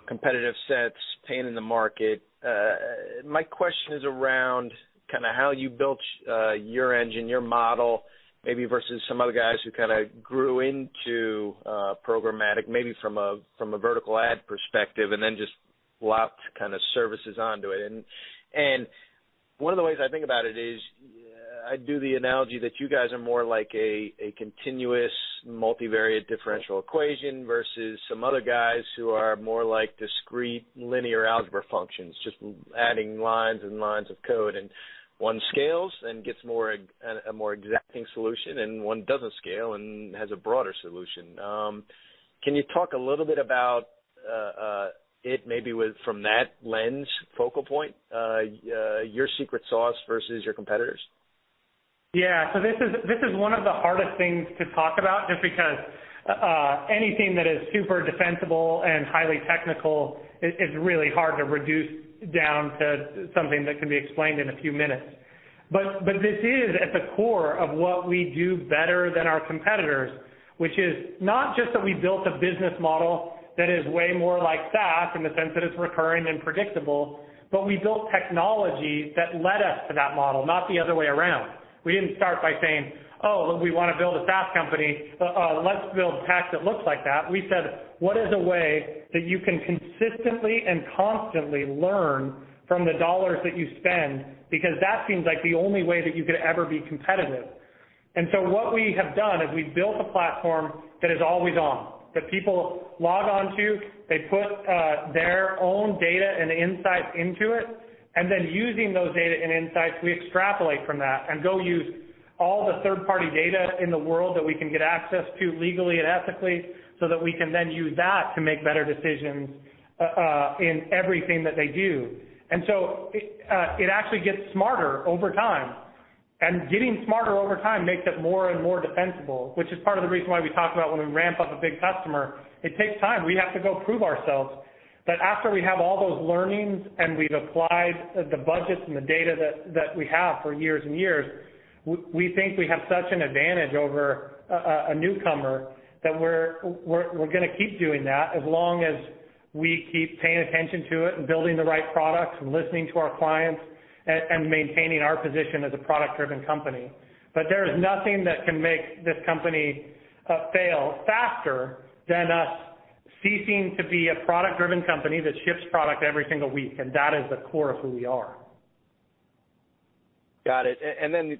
competitive sets, pain in the market. My question is around how you built your engine, your model, maybe versus some other guys who grew into programmatic, maybe from a vertical ad perspective and then just lopped services onto it. One of the ways I think about it is, I do the analogy that you guys are more like a continuous multivariate differential equation versus some other guys who are more like discrete linear algebra functions, just adding lines and lines of code. One scales and gets a more exacting solution, and one doesn't scale and has a broader solution. Can you talk a little bit about it maybe from that lens focal point, your secret sauce versus your competitors? Yeah. This is one of the hardest things to talk about just because anything that is super defensible and highly technical is really hard to reduce down to something that can be explained in a few minutes. This is at the core of what we do better than our competitors, which is not just that we built a business model that is way more like SaaS in the sense that it's recurring and predictable, but we built technology that led us to that model, not the other way around. We didn't start by saying, "Oh, we want to build a SaaS company. Let's build tech that looks like that." We said, "What is a way that you can consistently and constantly learn from the dollars that you spend? What we have done is we've built a platform that is always on, that people log onto, they put their own data and insights into it, then using those data and insights, we extrapolate from that and go use all the third-party data in the world that we can get access to legally and ethically so that we can then use that to make better decisions in everything that they do. It actually gets smarter over time. Getting smarter over time makes it more and more defensible, which is part of the reason why we talk about when we ramp up a big customer, it takes time. We have to go prove ourselves. After we have all those learnings and we've applied the budgets and the data that we have for years and years, we think we have such an advantage over a newcomer that we're going to keep doing that as long as we keep paying attention to it and building the right products and listening to our clients and maintaining our position as a product-driven company. There is nothing that can make this company A fail faster than us ceasing to be a product-driven company that ships product every single week, and that is the core of who we are. Got it.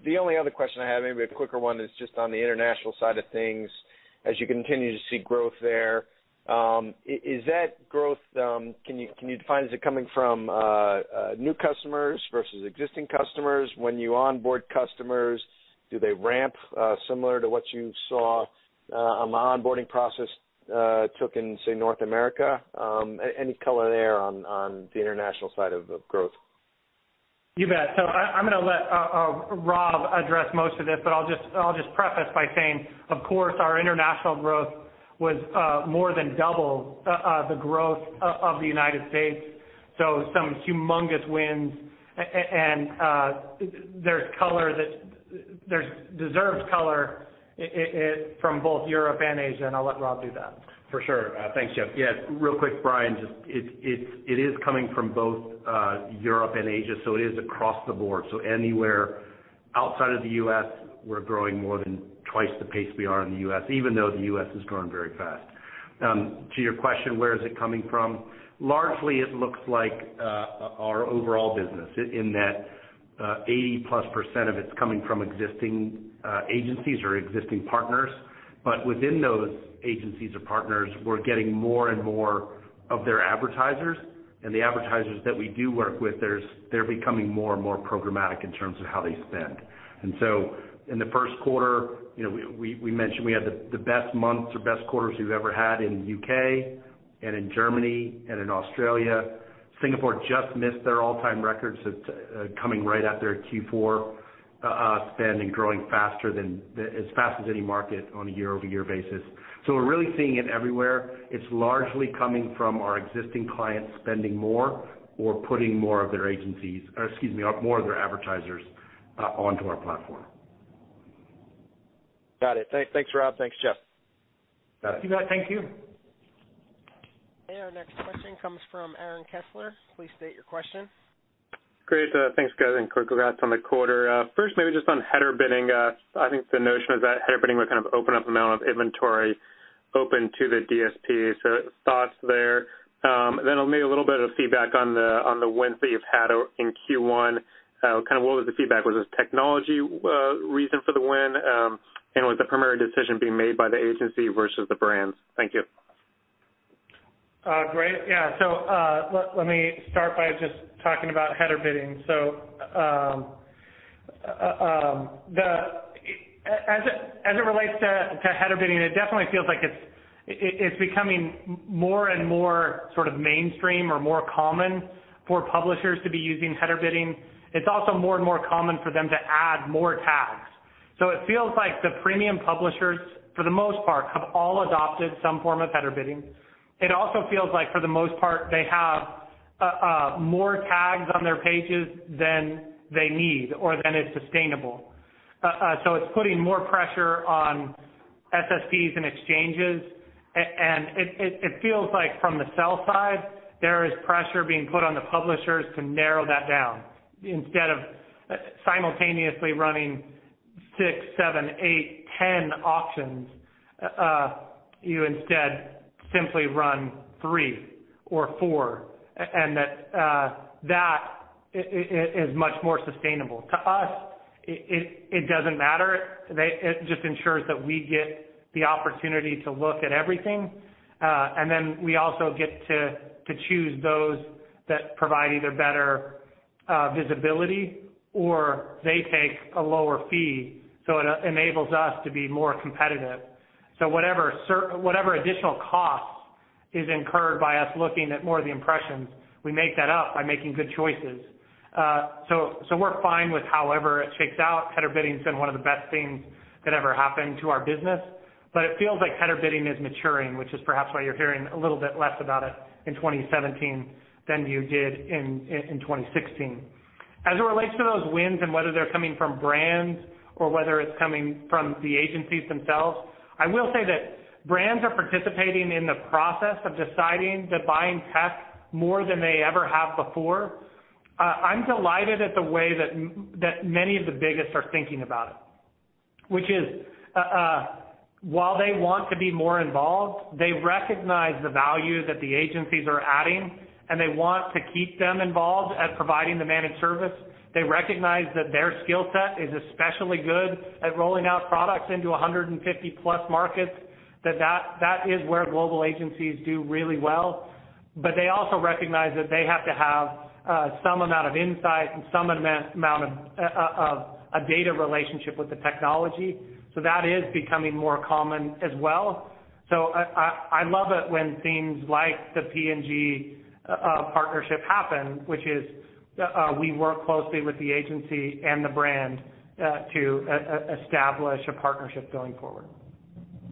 The only other question I have, maybe a quicker one, is just on the international side of things. As you continue to see growth there, can you define, is it coming from new customers versus existing customers? When you onboard customers, do they ramp similar to what you saw on the onboarding process took in, say, North America? Any color there on the international side of the growth? You bet. I'm going to let Rob address most of this, but I'll just preface by saying, of course, our international growth was more than double the growth of the United States. Some humongous wins, and there's color that deserves color from both Europe and Asia, and I'll let Rob do that. For sure. Thanks, Jeff. Real quick, Brian, it is coming from both Europe and Asia. It is across the board. Anywhere outside of the U.S., we're growing more than twice the pace we are in the U.S., even though the U.S. is growing very fast. To your question, where is it coming from? Largely, it looks like our overall business, in that 80+% of it's coming from existing agencies or existing partners. Within those agencies or partners, we're getting more and more of their advertisers. The advertisers that we do work with, they're becoming more and more programmatic in terms of how they spend. In the first quarter, we mentioned we had the best months or best quarters we've ever had in the U.K. and in Germany and in Australia. Singapore just missed their all-time records. It's coming right after a Q4 spend and growing as fast as any market on a year-over-year basis. We're really seeing it everywhere. It's largely coming from our existing clients spending more or putting more of their agencies or excuse me, more of their advertisers onto our platform. Got it. Thanks, Rob. Thanks, Jeff. Got it. You bet. Thank you. Our next question comes from Aaron Kessler. Please state your question. Great. Thanks, guys, and congrats on the quarter. First, maybe just on header bidding. I think the notion is that header bidding would kind of open up amount of inventory open to the DSP. Thoughts there. Maybe a little bit of feedback on the wins that you've had in Q1. Kind of what was the feedback? Was it technology reason for the win? Was the primary decision being made by the agency versus the brands? Thank you. Great. Yeah. Let me start by just talking about header bidding. As it relates to header bidding, it definitely feels like it's becoming more and more sort of mainstream or more common for publishers to be using header bidding. It's also more and more common for them to add more tags. It feels like the premium publishers, for the most part, have all adopted some form of header bidding. It also feels like for the most part, they have more tags on their pages than they need or than is sustainable. It's putting more pressure on SSPs and exchanges. It feels like from the sell side, there is pressure being put on the publishers to narrow that down. Instead of simultaneously running six, seven, eight, 10 auctions, you instead simply run three or four, and that is much more sustainable. To us, it doesn't matter. It just ensures that we get the opportunity to look at everything. Then we also get to choose those that provide either better visibility or they take a lower fee, so it enables us to be more competitive. Whatever additional cost is incurred by us looking at more of the impressions, we make that up by making good choices. We are fine with however it shakes out. Header bidding has been one of the best things that ever happened to our business. It feels like header bidding is maturing, which is perhaps why you are hearing a little bit less about it in 2017 than you did in 2016. As it relates to those wins and whether they are coming from brands or whether it is coming from the agencies themselves, I will say that brands are participating in the process of deciding to buy in tech more than they ever have before. I am delighted at the way that many of the biggest are thinking about it, which is while they want to be more involved, they recognize the value that the agencies are adding, and they want to keep them involved at providing the managed service. They recognize that their skill set is especially good at rolling out products into 150-plus markets, that is where global agencies do really well. They also recognize that they have to have some amount of insight and some amount of a data relationship with the technology. That is becoming more common as well. I love it when things like the P&G partnership happen, which is we work closely with the agency and the brand to establish a partnership going forward.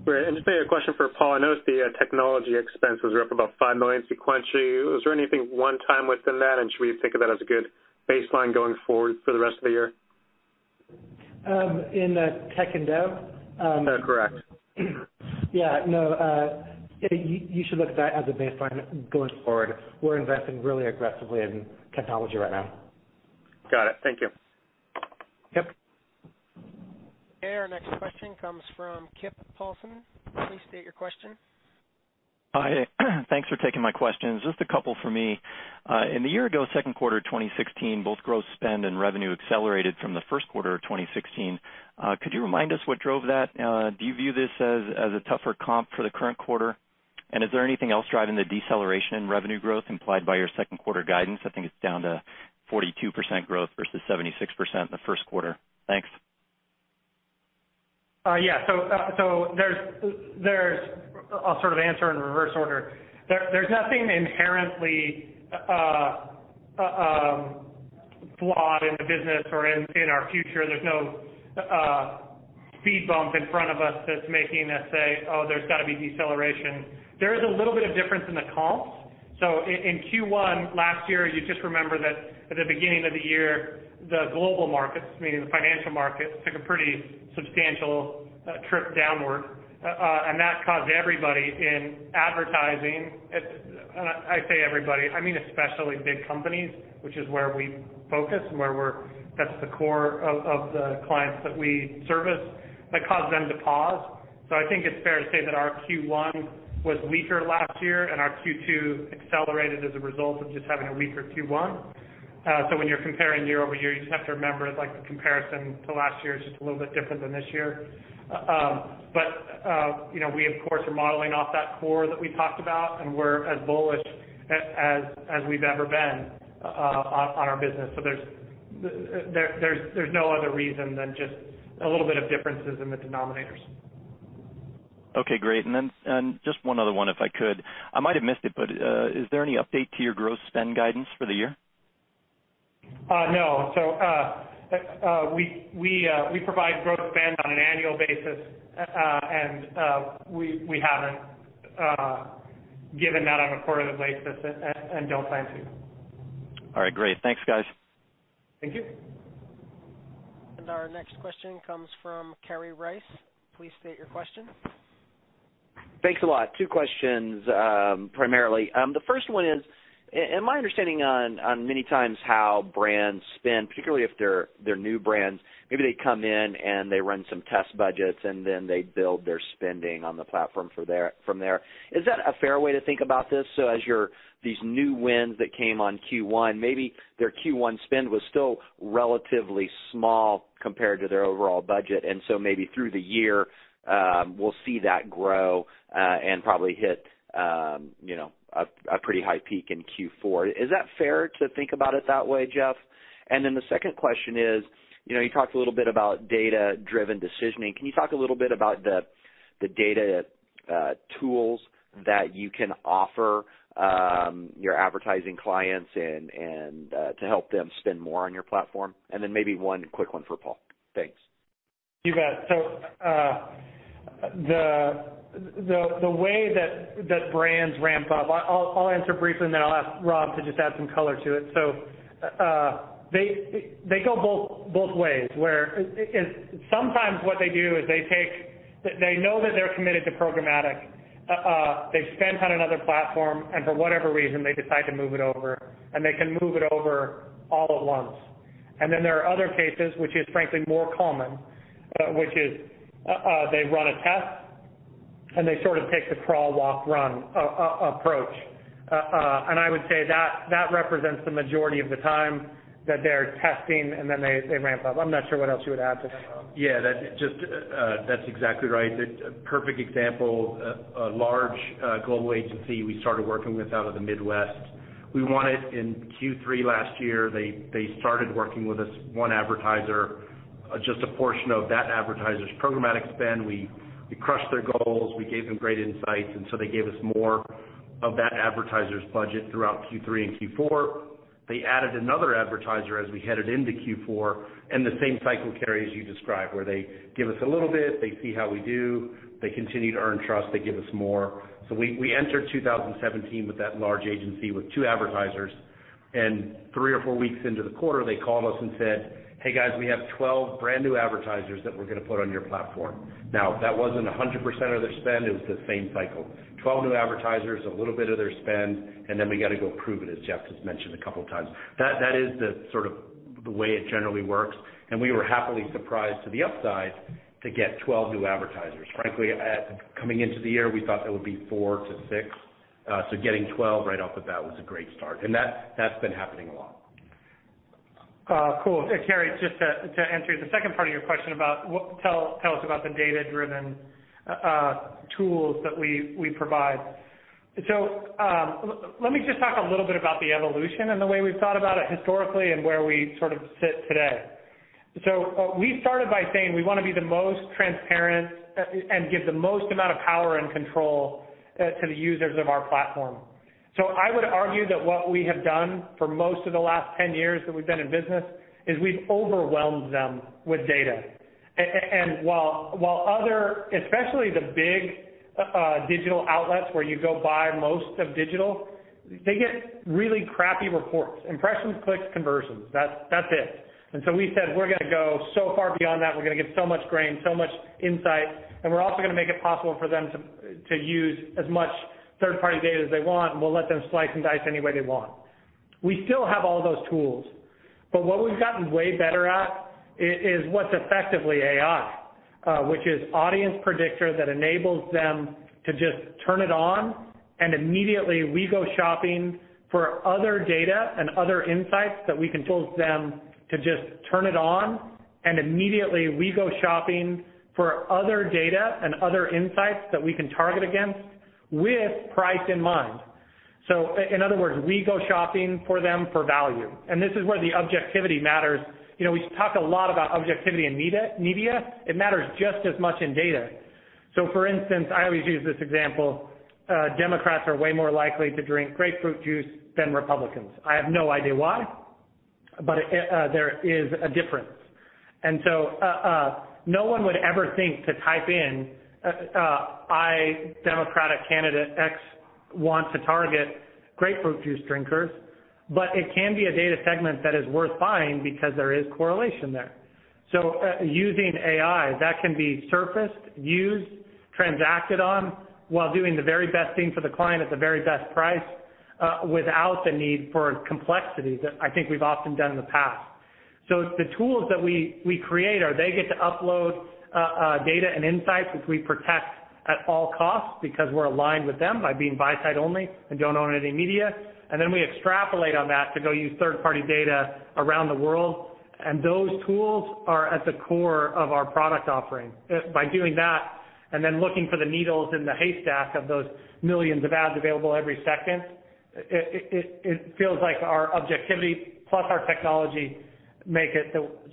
Great. Just maybe a question for Paul. I noticed the technology expenses are up about $5 million sequentially. Was there anything one-time within that? Should we think of that as a good baseline going forward for the rest of the year? In the tech and dev? Correct. Yeah, no, you should look at that as a baseline going forward. We're investing really aggressively in technology right now. Got it. Thank you. Yep. Our next question comes from Kip Paulson. Please state your question. Hi. Thanks for taking my questions. Just a couple for me. In the year-ago second quarter 2016, both gross spend and revenue accelerated from the first quarter of 2016. Could you remind us what drove that? Do you view this as a tougher comp for the current quarter? Is there anything else driving the deceleration in revenue growth implied by your second quarter guidance? I think it's down to 42% growth versus 76% in the first quarter. Thanks. Yeah. I'll sort of answer in reverse order. There's nothing inherently flawed in the business or in our future. There's no speed bump in front of us that's making us say, "Oh, there's got to be deceleration." There is a little bit of difference in the comps. In Q1 last year, you just remember that at the beginning of the year, the global markets, meaning the financial markets, took a pretty substantial trip downward. That caused everybody in advertising, and when I say everybody, I mean especially big companies, which is where we focus and that's the core of the clients that we service, that caused them to pause. I think it's fair to say that our Q1 was weaker last year, and our Q2 accelerated as a result of just having a weaker Q1. When you're comparing year-over-year, you just have to remember it, like the comparison to last year is just a little bit different than this year. We, of course, are modeling off that core that we talked about, and we're as bullish as we've ever been on our business. There's no other reason than just a little bit of differences in the denominators. Okay, great. Just one other one, if I could. I might have missed it, but is there any update to your gross spend guidance for the year? No. We provide gross spend on an annual basis, and we haven't given that on a quarterly basis and don't plan to. All right, great. Thanks, guys. Thank you. Our next question comes from Kerry Rice. Please state your question. Thanks a lot. Two questions, primarily. The first one is, in my understanding on many times how brands spend, particularly if they're new brands, maybe they come in and they run some test budgets, and then they build their spending on the platform from there. Is that a fair way to think about this? As these new wins that came on Q1, maybe their Q1 spend was still relatively small compared to their overall budget, and so maybe through the year, we'll see that grow, and probably hit a pretty high peak in Q4. Is that fair to think about it that way, Jeff? The second question is, you talked a little bit about data-driven decisioning. Can you talk a little bit about the data tools that you can offer your advertising clients to help them spend more on your platform? Maybe one quick one for Paul. Thanks. You bet. The way that brands ramp up, I'll answer briefly and then I'll ask Rob to just add some color to it. They go both ways where sometimes what they do is they know that they're committed to programmatic. They've spent on another platform, and for whatever reason, they decide to move it over, and they can move it over all at once. There are other cases, which is frankly more common, which is they run a test, and they sort of take the crawl, walk, run approach. I would say that represents the majority of the time that they're testing and then they ramp up. I'm not sure what else you would add to that, Rob. Yeah, that's exactly right. A perfect example, a large global agency we started working with out of the Midwest. We won it in Q3 last year. They started working with us, one advertiser, just a portion of that advertiser's programmatic spend. We crushed their goals. We gave them great insights, they gave us more of that advertiser's budget throughout Q3 and Q4. They added another advertiser as we headed into Q4, the same cycle, Kerry, as you described, where they give us a little bit, they see how we do. They continue to earn trust. They give us more. We entered 2017 with that large agency with two advertisers, and three or four weeks into the quarter, they called us and said, "Hey guys, we have 12 brand-new advertisers that we're going to put on your platform." Now, that wasn't 100% of their spend. It was the same cycle. 12 new advertisers, a little bit of their spend, then we got to go prove it, as Jeff has mentioned a couple of times. That is the sort of the way it generally works, and we were happily surprised to the upside to get 12 new advertisers. Frankly, coming into the year, we thought that would be 4 to 6. Getting 12 right off the bat was a great start, and that has been happening a lot. Kerry, just to answer the second part of your question about, tell us about the data-driven tools that we provide. Let me just talk a little bit about the evolution and the way we have thought about it historically and where we sort of sit today. We started by saying we want to be the most transparent and give the most amount of power and control to the users of our platform. I would argue that what we have done for most of the last 10 years that we have been in business is we have overwhelmed them with data. While other, especially the big digital outlets where you go buy most of digital, they get really crappy reports. Impressions, clicks, conversions. That's it. We said we are going to go so far beyond that, we are going to get so much granularity, so much insight, and we are also going to make it possible for them to use as much third-party data as they want, and we will let them slice and dice any way they want. We still have all those tools, but what we have gotten way better at is what's effectively AI, which is Audience Predictor that enables them to just turn it on, and immediately we go shopping for other data and other insights that we can target against with price in mind. In other words, we go shopping for them for value. This is where the objectivity matters. We talk a lot about objectivity in media. It matters just as much in data. For instance, I always use this example, Democrats are way more likely to drink grapefruit juice than Republicans. I have no idea why, but there is a difference. No one would ever think to type in, "I, Democratic candidate X, want to target grapefruit juice drinkers," but it can be a data segment that is worth buying because there is correlation there. Using AI, that can be surfaced, used, transacted on while doing the very best thing for the client at the very best price, without the need for complexity that I think we have often done in the past. It's the tools that we create are they get to upload data and insights, which we protect at all costs because we are aligned with them by being buy-side only and do not own any media. Then we extrapolate on that to go use third-party data around the world. Those tools are at the core of our product offering. By doing that and then looking for the needles in the haystack of those millions of ads available every second, it feels like our objectivity plus our technology make it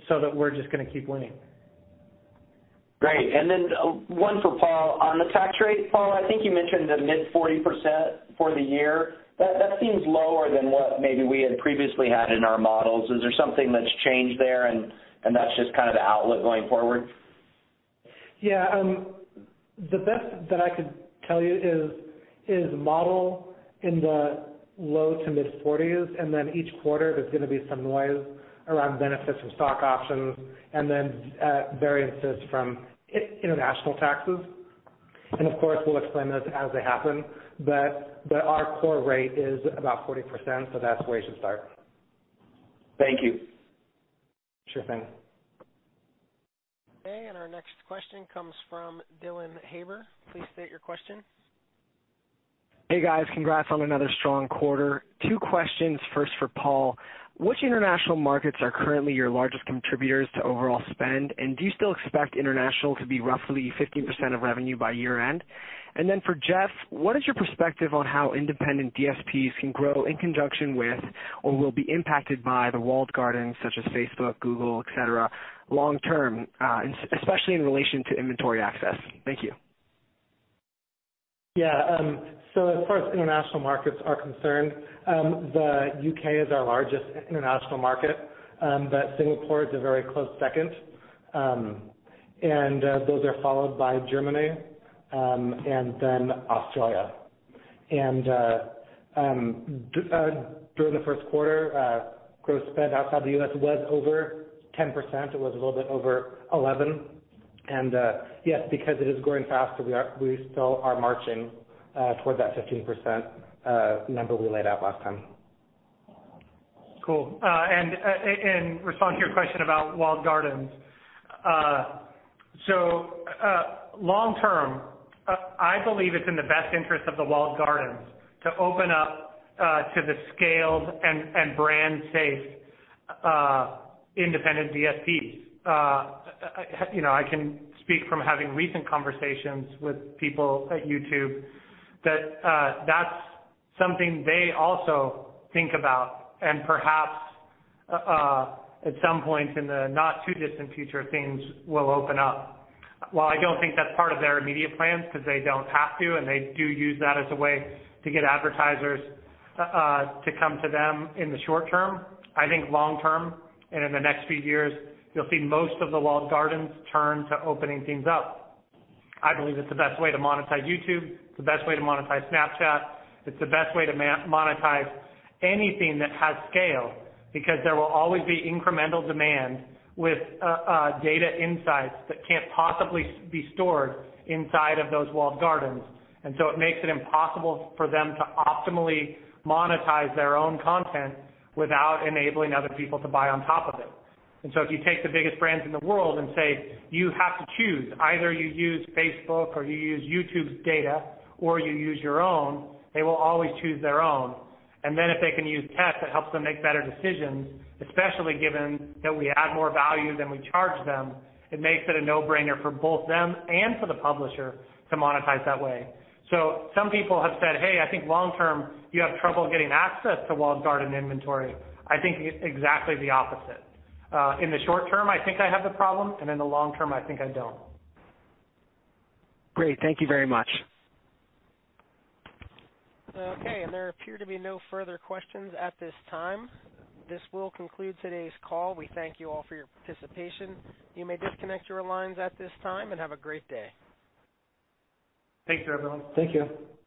so that we're just going to keep winning. Great. Then one for Paul on the tax rate. Paul, I think you mentioned the mid 40% for the year. That seems lower than what maybe we had previously had in our models. Is there something that's changed there, and that's just kind of the outlook going forward? Yeah. The best that I could tell you is model in the low to mid 40s, then each quarter, there's going to be some noise around benefits from stock options and then variances from international taxes. Of course, we'll explain those as they happen. Our core rate is about 40%, so that's where you should start. Thank you. Sure thing. Our next question comes from Dylan Haber. Please state your question. Hey, guys. Congrats on another strong quarter. Two questions, first for Paul. Which international markets are currently your largest contributors to overall spend? Do you still expect international to be roughly 15% of revenue by year-end? For Jeff, what is your perspective on how independent DSPs can grow in conjunction with or will be impacted by the walled gardens such as Facebook, Google, et cetera, long term, especially in relation to inventory access? Thank you. Yeah. As far as international markets are concerned, the U.K. is our largest international market, but Singapore is a very close second. Those are followed by Germany, and then Australia. During the first quarter, gross spend outside the U.S. was over 10%. It was a little bit over 11. Yes, because it is growing faster, we still are marching toward that 15% number we laid out last time. Cool. In response to your question about walled gardens. Long term, I believe it's in the best interest of the walled gardens to open up to the scaled and brand safe independent DSPs. I can speak from having recent conversations with people at YouTube that's something they also think about. Perhaps, at some point in the not too distant future, things will open up. While I don't think that's part of their immediate plans because they don't have to, and they do use that as a way to get advertisers to come to them in the short term, I think long term and in the next few years, you'll see most of the walled gardens turn to opening things up. I believe it's the best way to monetize YouTube. It's the best way to monetize Snapchat. It's the best way to monetize anything that has scale because there will always be incremental demand with data insights that can't possibly be stored inside of those walled gardens. It makes it impossible for them to optimally monetize their own content without enabling other people to buy on top of it. If you take the biggest brands in the world and say, "You have to choose, either you use Facebook or you use YouTube's data or you use your own," they will always choose their own. Then if they can use tech that helps them make better decisions, especially given that we add more value than we charge them, it makes it a no-brainer for both them and for the publisher to monetize that way. Some people have said, "Hey, I think long term you have trouble getting access to walled garden inventory." I think exactly the opposite. In the short term, I think I have the problem, and in the long term, I think I don't. Great. Thank you very much. Okay. There appear to be no further questions at this time. This will conclude today's call. We thank you all for your participation. You may disconnect your lines at this time, and have a great day. Thanks, everyone. Thank you. Got it.